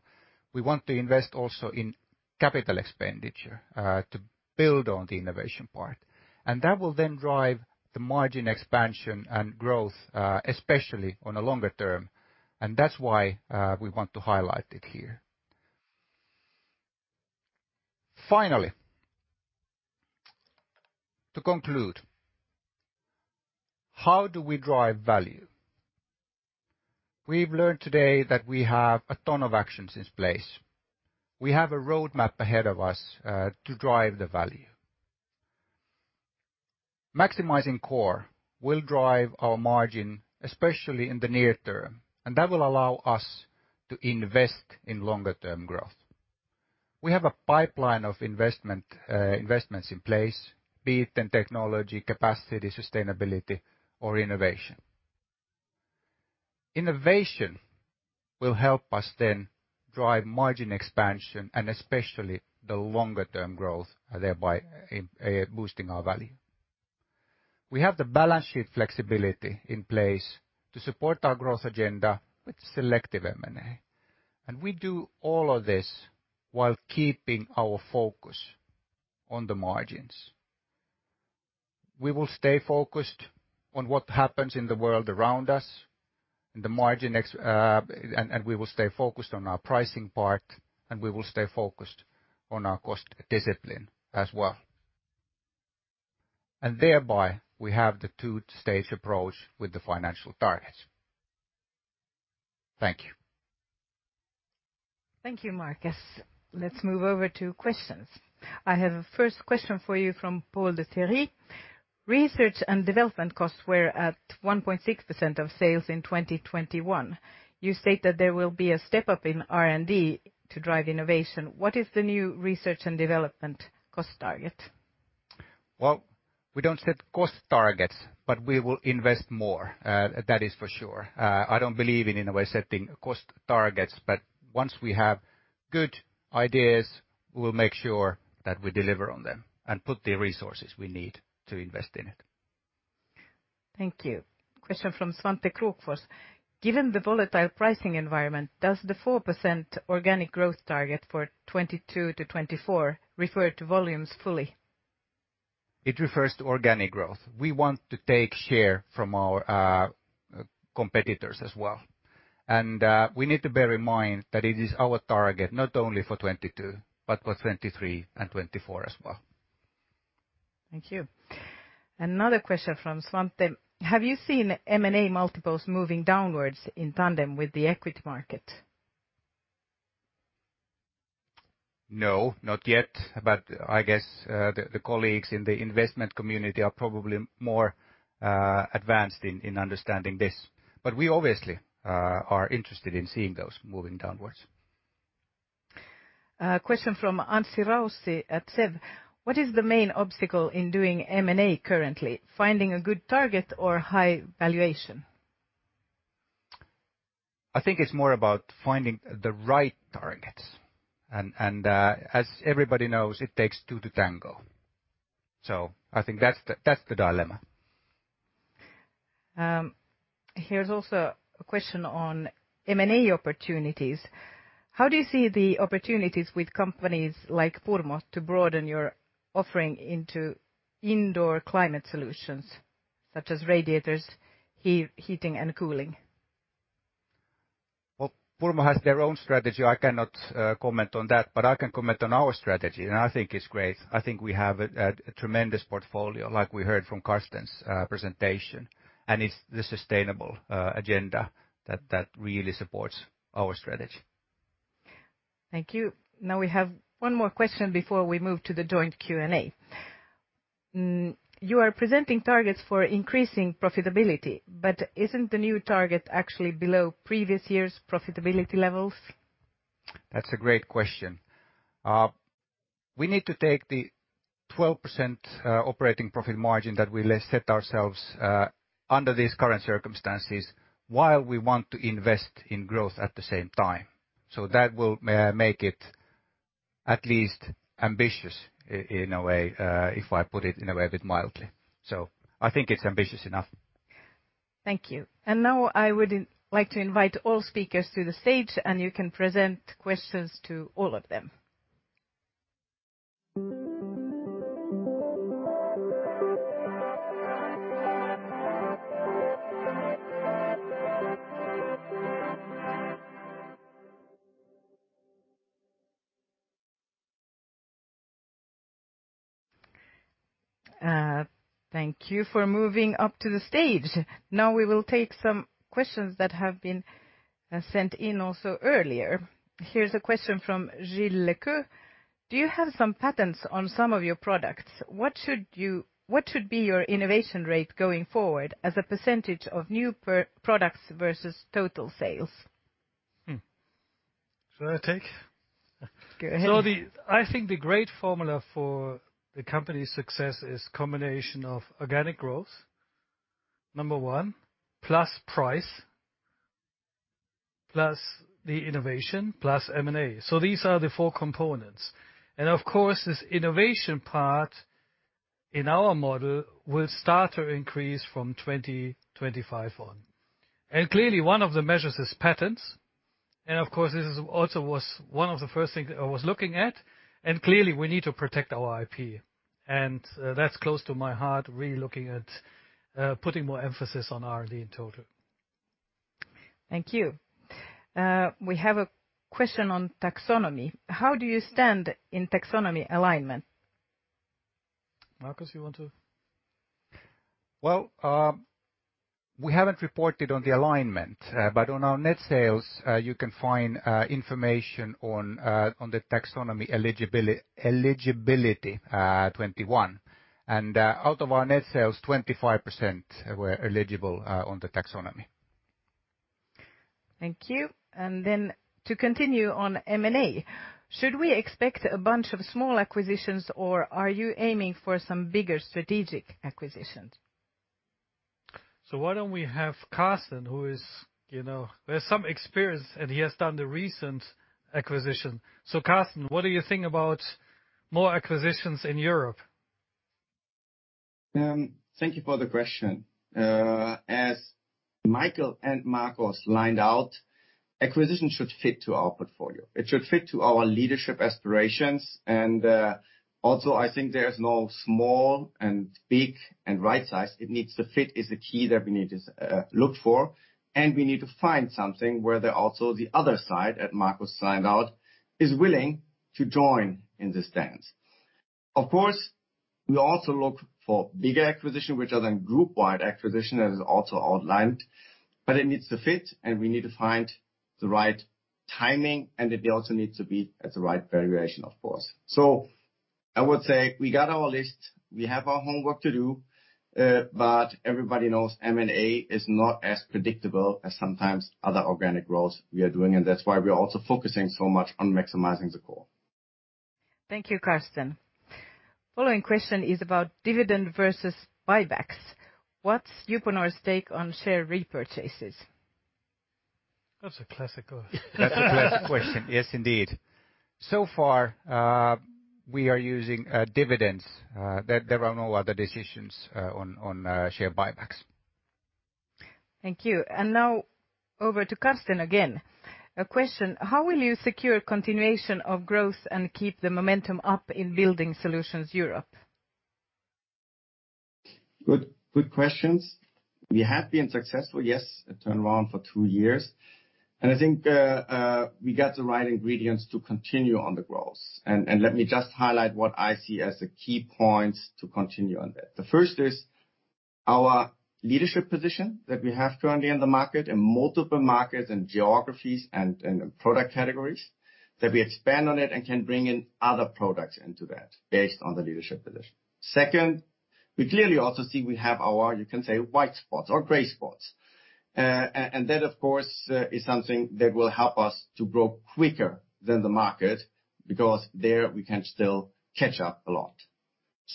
We want to invest also in capital expenditure, to build on the innovation part. That will then drive the margin expansion and growth, especially on a longer term, and that's why we want to highlight it here. Finally, to conclude, how do we drive value? We've learned today that we have a ton of actions in place. We have a roadmap ahead of us, to drive the value. Maximizing core will drive our margin, especially in the near term, and that will allow us to invest in longer term growth. We have a pipeline of investments in place, be it in technology, capacity, sustainability, or innovation. Innovation will help us then drive margin expansion and especially the longer term growth, thereby boosting our value. We have the balance sheet flexibility in place to support our growth agenda with selective M&A. We do all of this while keeping our focus on the margins. We will stay focused on what happens in the world around us, and the margins, and we will stay focused on our pricing power, and we will stay focused on our cost discipline as well. We have the two-stage approach with the financial targets. Thank you. Thank you, Markus. Let's move over to questions. I have a first question for you from Paul de-Thierry. Research and development costs were at 1.6% of sales in 2021. You state that there will be a step-up in R&D to drive innovation. What is the new research and development cost target? Well, we don't set cost targets, but we will invest more, that is for sure. I don't believe in a way, setting cost targets. Once we have good ideas, we'll make sure that we deliver on them and put the resources we need to invest in it. Thank you. Question from Svante Krokfors. Given the volatile pricing environment, does the 4% organic growth target for 2022 to 2024 refer to volumes fully? It refers to organic growth. We want to take share from our competitors as well. We need to bear in mind that it is our target, not only for 2022, but for 2023 and 2024 as well. Thank you. Another question from Svante. Have you seen M&A multiples moving downward in tandem with the equity market? No, not yet, but I guess the colleagues in the investment community are probably more advanced in understanding this. We obviously are interested in seeing those moving downwards. Question from Anssi Raussi at SEB. What is the main obstacle in doing M&A currently? Finding a good target or high valuation? I think it's more about finding the right targets and, as everybody knows, it takes two to tango. I think that's the dilemma. Here's also a question on M&A opportunities. How do you see the opportunities with companies like Purmo to broaden your offering into indoor climate solutions, such as radiators, heating and cooling? Well, Purmo has their own strategy. I cannot comment on that, but I can comment on our strategy, and I think it's great. I think we have a tremendous portfolio, like we heard from Karsten's presentation, and it's the sustainable agenda that really supports our strategy. Thank you. Now we have one more question before we move to the joint Q&A. You are presenting targets for increasing profitability, but isn't the new target actually below previous years' profitability levels? That's a great question. We need to take the 12% operating profit margin that we set ourselves under these current circumstances while we want to invest in growth at the same time. That will make it at least ambitious in a way, if I put it in a way a bit mildly. I think it's ambitious enough. Thank you. Now I would like to invite all speakers to the stage, and you can present questions to all of them. Thank you for moving up to the stage. Now we will take some questions that have been sent in also earlier. Here's a question from Gilles Lecoeur. Do you have some patents on some of your products? What should be your innovation rate going forward as a percentage of new products versus total sales? Hmm. Should I take? Go ahead. I think the great formula for the company's success is combination of organic growth, number one, plus price, plus the innovation, plus M&A. These are the four components. Of course, this innovation part in our model will start to increase from 2025 on. Clearly one of the measures is patents. Of course, this is also was one of the first things I was looking at, and clearly we need to protect our IP. That's close to my heart, really looking at putting more emphasis on R&D in total. Thank you. We have a question on taxonomy. How do you stand in taxonomy alignment? Markus, you want to. Well, we haven't reported on the alignment, but on our net sales, you can find information on the taxonomy eligibility, 2021. Out of our net sales, 25% were eligible on the taxonomy. Thank you. To continue on M&A, should we expect a bunch of small acquisitions, or are you aiming for some bigger strategic acquisitions? Why don't we have Karsten who is, you know, has some experience, and he has done the recent acquisition. Karsten, what do you think about more acquisitions in Europe? Thank you for the question. As Michael and Markus laid out, acquisitions should fit to our portfolio. It should fit to our leadership aspirations. Also, I think there is no small and big and right size. It needs to fit is the key that we need to look for, and we need to find something where there also the other side, as Markus laid out, is willing to join in this dance. Of course, we also look for bigger acquisition, which are then group-wide acquisition, as also outlined, but it needs to fit, and we need to find the right timing, and the deal also needs to be at the right valuation, of course. I would say we got our list, we have our homework to do, but everybody knows M&A is not as predictable as sometimes other organic growth we are doing, and that's why we are also focusing so much on maximizing the core. Thank you, Karsten. The following question is about dividend versus buybacks. What's Uponor's take on share repurchases? That's a classical. That's a classic question. Yes, indeed. So far, we are using dividends. There are no other decisions on share buybacks. Thank you. Now over to Karsten again. A question, how will you secure continuation of growth and keep the momentum up in Building Solutions – Europe? Good, good questions. We have been successful, yes, a turnaround for two years. I think we got the right ingredients to continue on the growth. Let me just highlight what I see as the key points to continue on that. The first is our leadership position that we have currently in the market, in multiple markets and geographies and product categories, that we expand on it and can bring in other products into that based on the leadership position. Second, we clearly also see we have our, you can say, white spots or gray spots. And that, of course, is something that will help us to grow quicker than the market because there we can still catch up a lot.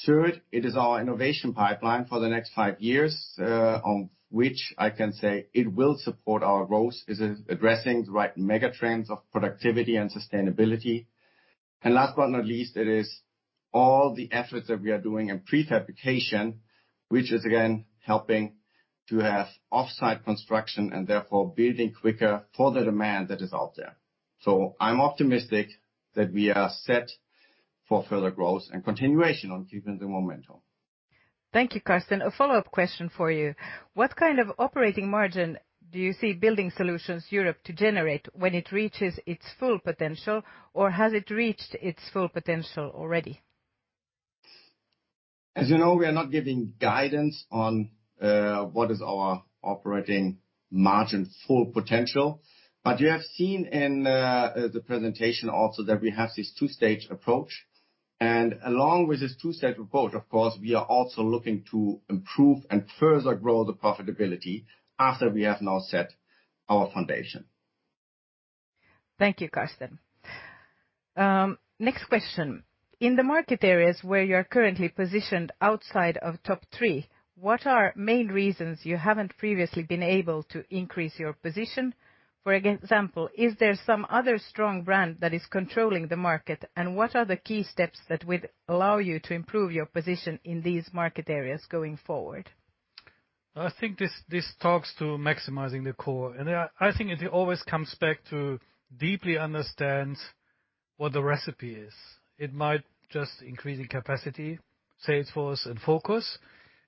Third, it is our innovation pipeline for the next five years, on which I can say it will support our growth. It's addressing the right mega trends of productivity and sustainability. Last but not least, it is all the efforts that we are doing in prefabrication, which is again helping to have offsite construction and therefore building quicker for the demand that is out there. I'm optimistic that we are set for further growth and continuation on keeping the momentum. Thank you, Karsten. A follow-up question for you. What kind of operating margin do you see Building Solutions - Europe to generate when it reaches its full potential, or has it reached its full potential already? As you know, we are not giving guidance on what is our operating margin full potential. You have seen in the presentation also that we have this two-stage approach. Along with this two-stage approach, of course, we are also looking to improve and further grow the profitability after we have now set our foundation. Thank you, Karsten. Next question. In the market areas where you're currently positioned outside of top three, what are main reasons you haven't previously been able to increase your position? For example, is there some other strong brand that is controlling the market, and what are the key steps that would allow you to improve your position in these market areas going forward? I think this talks to maximizing the core. I think it always comes back to deeply understand what the recipe is. It might just increasing capacity, sales force and focus.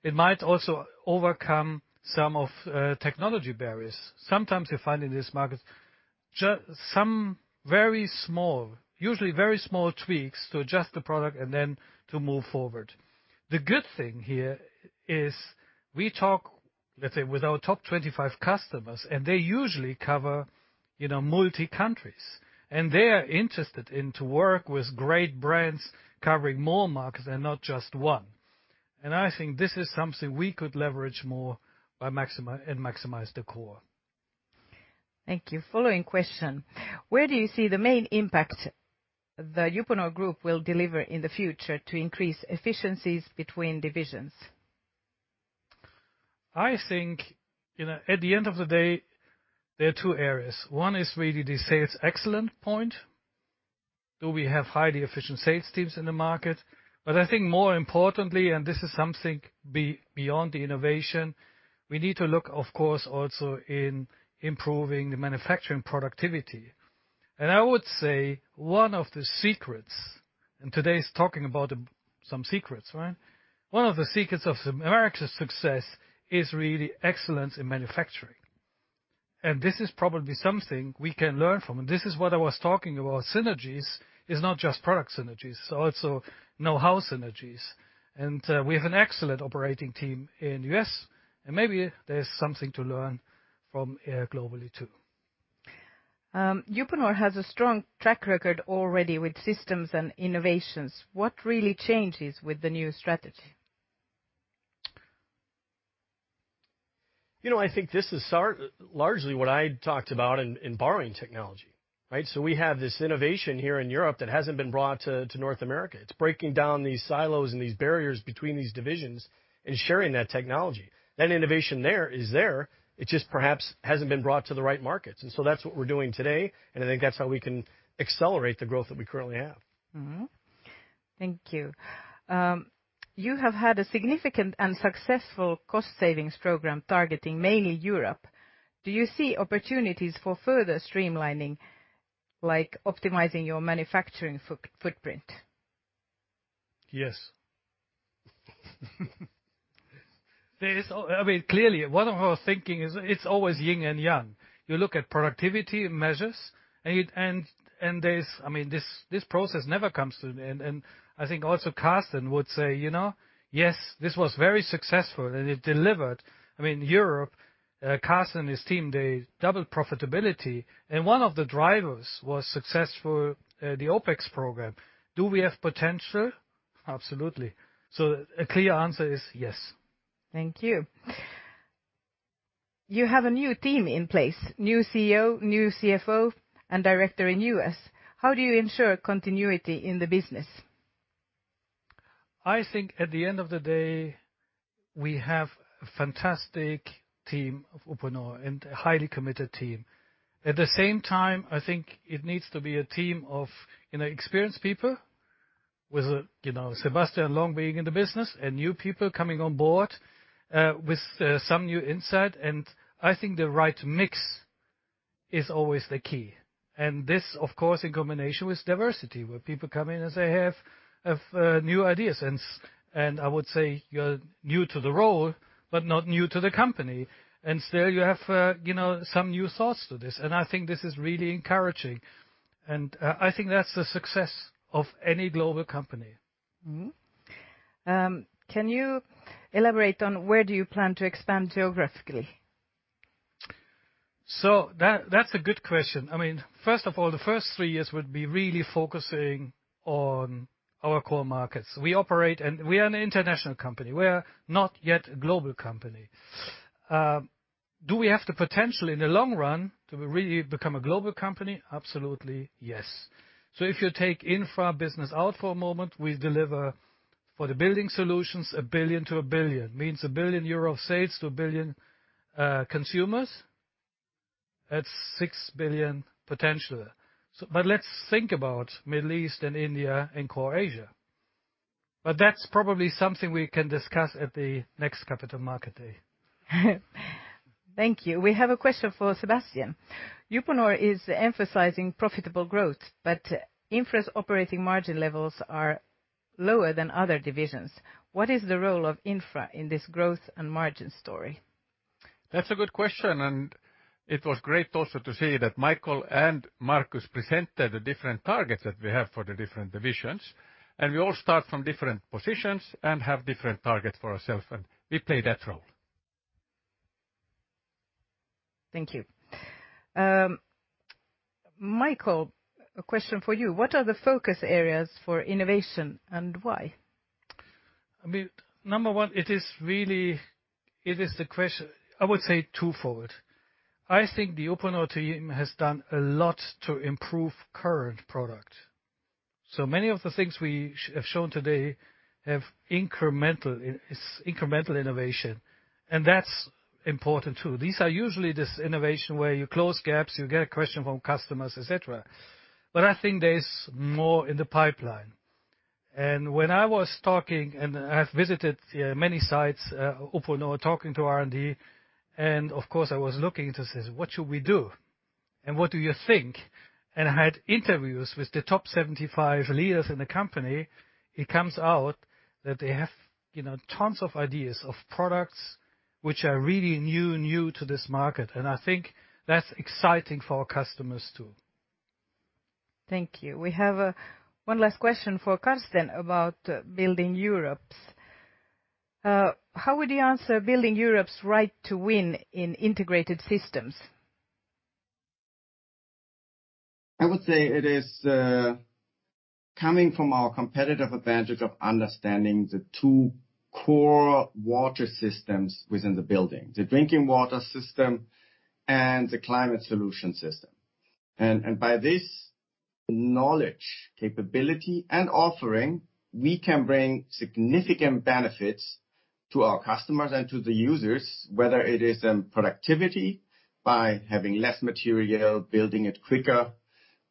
It might also overcome some of technology barriers. Sometimes you find in this market some very small, usually very small tweaks to adjust the product and then to move forward. The good thing here is we talk, let's say, with our top 25 customers, and they usually cover, you know, multi-countries, and they are interested in to work with great brands covering more markets and not just one. I think this is something we could leverage more by maximize the core. Thank you. Following question. Where do you see the main impact the Uponor Group will deliver in the future to increase efficiencies between divisions? I think, you know, at the end of the day, there are two areas. One is really the sales excellence point. Do we have highly efficient sales teams in the market? I think more importantly, and this is something beyond the innovation, we need to look, of course, also in improving the manufacturing productivity. I would say one of the secrets, and today we're talking about some secrets, right? One of the secrets of America's success is really excellence in manufacturing. This is probably something we can learn from. This is what I was talking about synergies. It's not just product synergies, it's also know-how synergies. We have an excellent operating team in U.S., and maybe there is something to learn from globally too. Uponor has a strong track record already with systems and innovations. What really changes with the new strategy? You know, I think this is largely what I talked about in borrowing technology, right? We have this innovation here in Europe that hasn't been brought to North America. It's breaking down these silos and these barriers between these divisions and sharing that technology. That innovation there is there, it just perhaps hasn't been brought to the right markets. That's what we're doing today, and I think that's how we can accelerate the growth that we currently have. Thank you. You have had a significant and successful cost savings program targeting mainly Europe. Do you see opportunities for further streamlining, like optimizing your manufacturing footprint? Yes. I mean, clearly, one of our thinking is it's always yin and yang. You look at productivity measures. I mean, this process never comes to an end. I think also Karsten would say, "You know, yes, this was very successful, and it delivered." I mean, Europe, Karsten and his team, they doubled profitability, and one of the drivers was successful, the OpEx program. Do we have potential? Absolutely. A clear answer is yes. Thank you. You have a new team in place, new CEO, new CFO, and director in U.S. How do you ensure continuity in the business? I think at the end of the day, we have a fantastic team of Uponor and a highly committed team. At the same time, I think it needs to be a team of, you know, experienced people with, you know, Sebastian, long being in the business and new people coming on board, with some new insight, and I think the right mix is always the key. This, of course, in combination with diversity, where people come in as they have new ideas. I would say you're new to the role, but not new to the company. There you have, you know, some new thoughts to this, and I think this is really encouraging. I think that's the success of any global company. Can you elaborate on where do you plan to expand geographically? That's a good question. I mean, first of all, the first three years would be really focusing on our core markets. We are an international company. We are not yet a global company. Do we have the potential in the long run to really become a global company? Absolutely, yes. If you take Infra business out for a moment, we deliver, for the Building Solutions, 1 billion to 1 billion. Means 1 billion euro sales to 1 billion consumers. That's 6 billion potential. Let's think about Middle East and India and core Asia. That's probably something we can discuss at the next Capital Market Day. Thank you. We have a question for Sebastian. Uponor is emphasizing profitable growth, but Infra's operating margin levels are lower than other divisions. What is the role of Infra in this growth and margin story? That's a good question, and it was great also to see that Michael and Markus presented the different targets that we have for the different divisions. We all start from different positions and have different targets for ourselves, and we play that role. Thank you. Michael, a question for you. What are the focus areas for innovation and why? I mean, number one, it is really the question, I would say twofold. I think the Uponor team has done a lot to improve current product. So many of the things we have shown today have incremental, it's incremental innovation, and that's important too. These are usually this innovation where you close gaps, you get a question from customers, et cetera. I think there's more in the pipeline. When I was talking, and I have visited many sites, Uponor talking to R&D, and of course I was looking to say, "What should we do? And what do you think?" I had interviews with the top 75 leaders in the company. It comes out that they have, you know, tons of ideas of products which are really new to this market, and I think that's exciting for our customers too. Thank you. We have one last question for Karsten about Building Europe. How would you answer Building Europe's right to win in integrated systems? I would say it is coming from our competitive advantage of understanding the two core water systems within the building, the drinking water system and the climate solution system. By this knowledge, capability and offering, we can bring significant benefits to our customers and to the users, whether it is in productivity by having less material, building it quicker,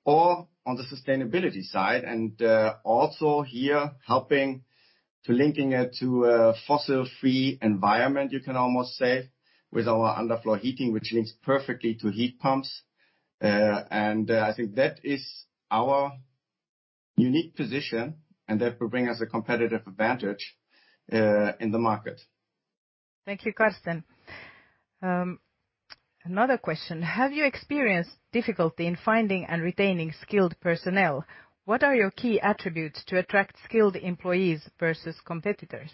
or on the sustainability side. Also here helping to linking it to a fossil-free environment, you can almost say, with our underfloor heating, which links perfectly to heat pumps. I think that is our unique position, and that will bring us a competitive advantage in the market. Thank you, Karsten. Another question. Have you experienced difficulty in finding and retaining skilled personnel? What are your key attributes to attract skilled employees versus competitors?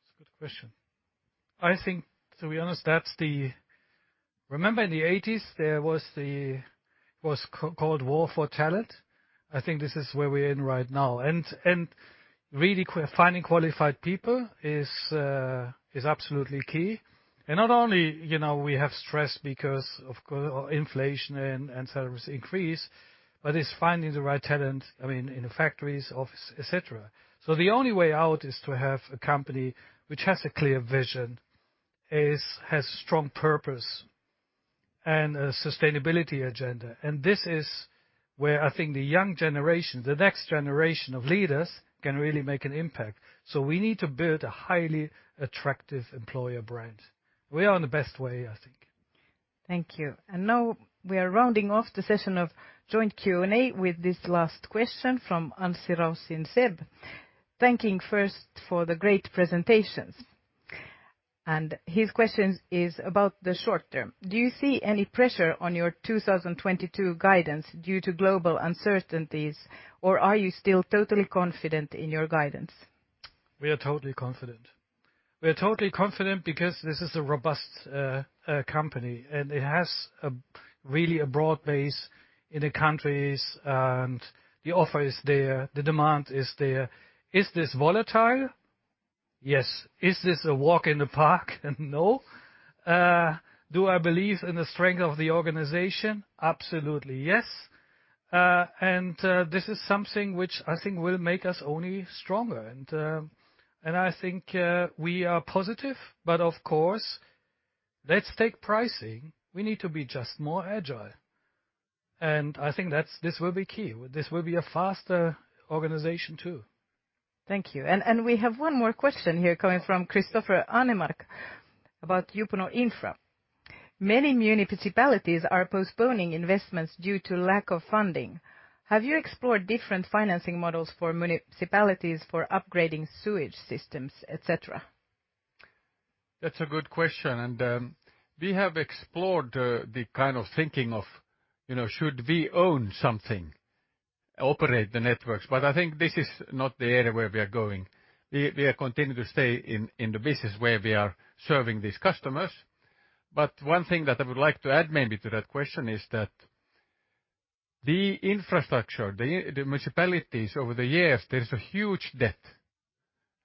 That's a good question. I think to be honest, that's the. Remember in the eighties, there was the war for talent. I think this is where we're in right now. really finding qualified people is absolutely key. Not only, you know, we have stress because of cost inflation and salaries increase, but it's finding the right talent, I mean, in the factories, office, et cetera. The only way out is to have a company which has a clear vision, has strong purpose and a sustainability agenda. This is where I think the young generation, the next generation of leaders can really make an impact. We need to build a highly attractive employer brand. We are on the best way, I think. Thank you. Now we are rounding off the session of joint Q&A with this last question from Anssi Raussi. Thanking first for the great presentations, and his question is about the short term. Do you see any pressure on your 2022 guidance due to global uncertainties, or are you still totally confident in your guidance? We are totally confident because this is a robust company, and it has a really a broad base in the countries and the offer is there, the demand is there. Is this volatile? Yes. Is this a walk in the park? No. Do I believe in the strength of the organization? Absolutely, yes. This is something which I think will make us only stronger. I think we are positive. Of course, let's take pricing. We need to be just more agile. I think that's this will be key. This will be a faster organization too. Thank you. We have one more question here coming from Christopher Arnemark about Uponor Infra. Many municipalities are postponing investments due to lack of funding. Have you explored different financing models for municipalities for upgrading sewage systems, et cetera? That's a good question. We have explored the kind of thinking of, you know, should we own something, operate the networks, but I think this is not the area where we are going. We are continuing to stay in the business where we are serving these customers. One thing that I would like to add maybe to that question is that the infrastructure, the municipalities over the years, there is a huge debt.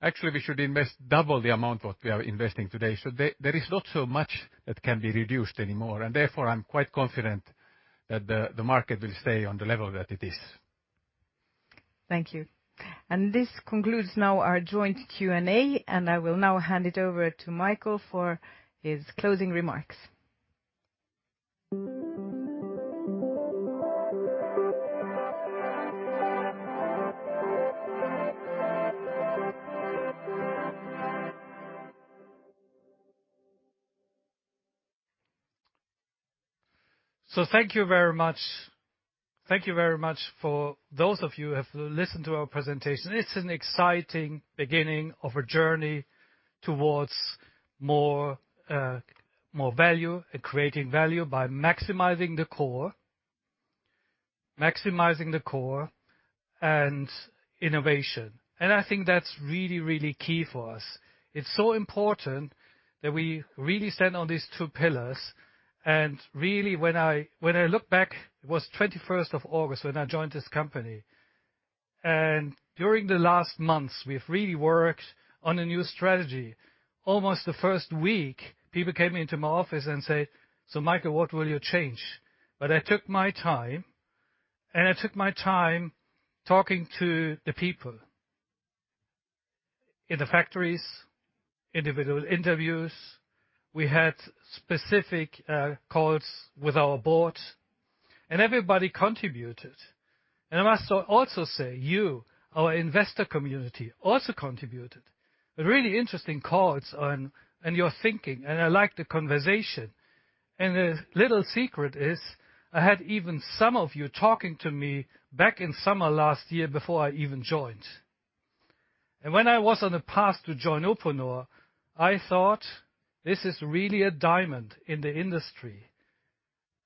Actually, we should invest double the amount what we are investing today. There is not so much that can be reduced anymore. Therefore, I'm quite confident that the market will stay on the level that it is. Thank you. This concludes now our joint Q&A, and I will now hand it over to Michael for his closing remarks. Thank you very much. Thank you very much for those of you who have listened to our presentation. It's an exciting beginning of a journey towards more value and creating value by maximizing the core and innovation. I think that's really key for us. It's so important that we really stand on these two pillars. Really, when I look back, it was 21st of August when I joined this company. During the last months, we've really worked on a new strategy. Almost the first week, people came into my office and say, "So Michael, what will you change?" I took my time talking to the people. In the factories, individual interviews. We had specific calls with our board, and everybody contributed. I must also say, you, our investor community, also contributed. Really interesting calls on and your thinking, and I like the conversation. The little secret is, I had even some of you talking to me back in summer last year before I even joined. When I was on the path to join Uponor, I thought, "This is really a diamond in the industry."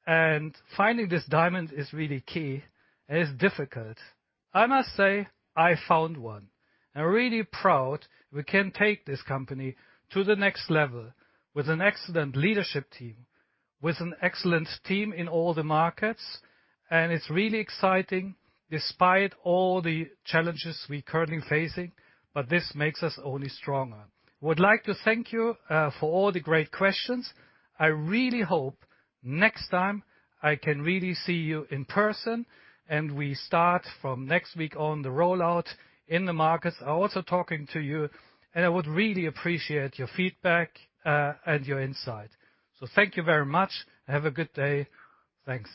Finding this diamond is really key, and it's difficult. I must say I found one. I'm really proud we can take this company to the next level with an excellent leadership team, with an excellent team in all the markets. It's really exciting despite all the challenges we're currently facing, but this makes us only stronger. I would like to thank you for all the great questions. I really hope next time I can really see you in person, and we start from next week on the rollout in the markets, also talking to you. I would really appreciate your feedback, and your insight. Thank you very much. Have a good day. Thanks.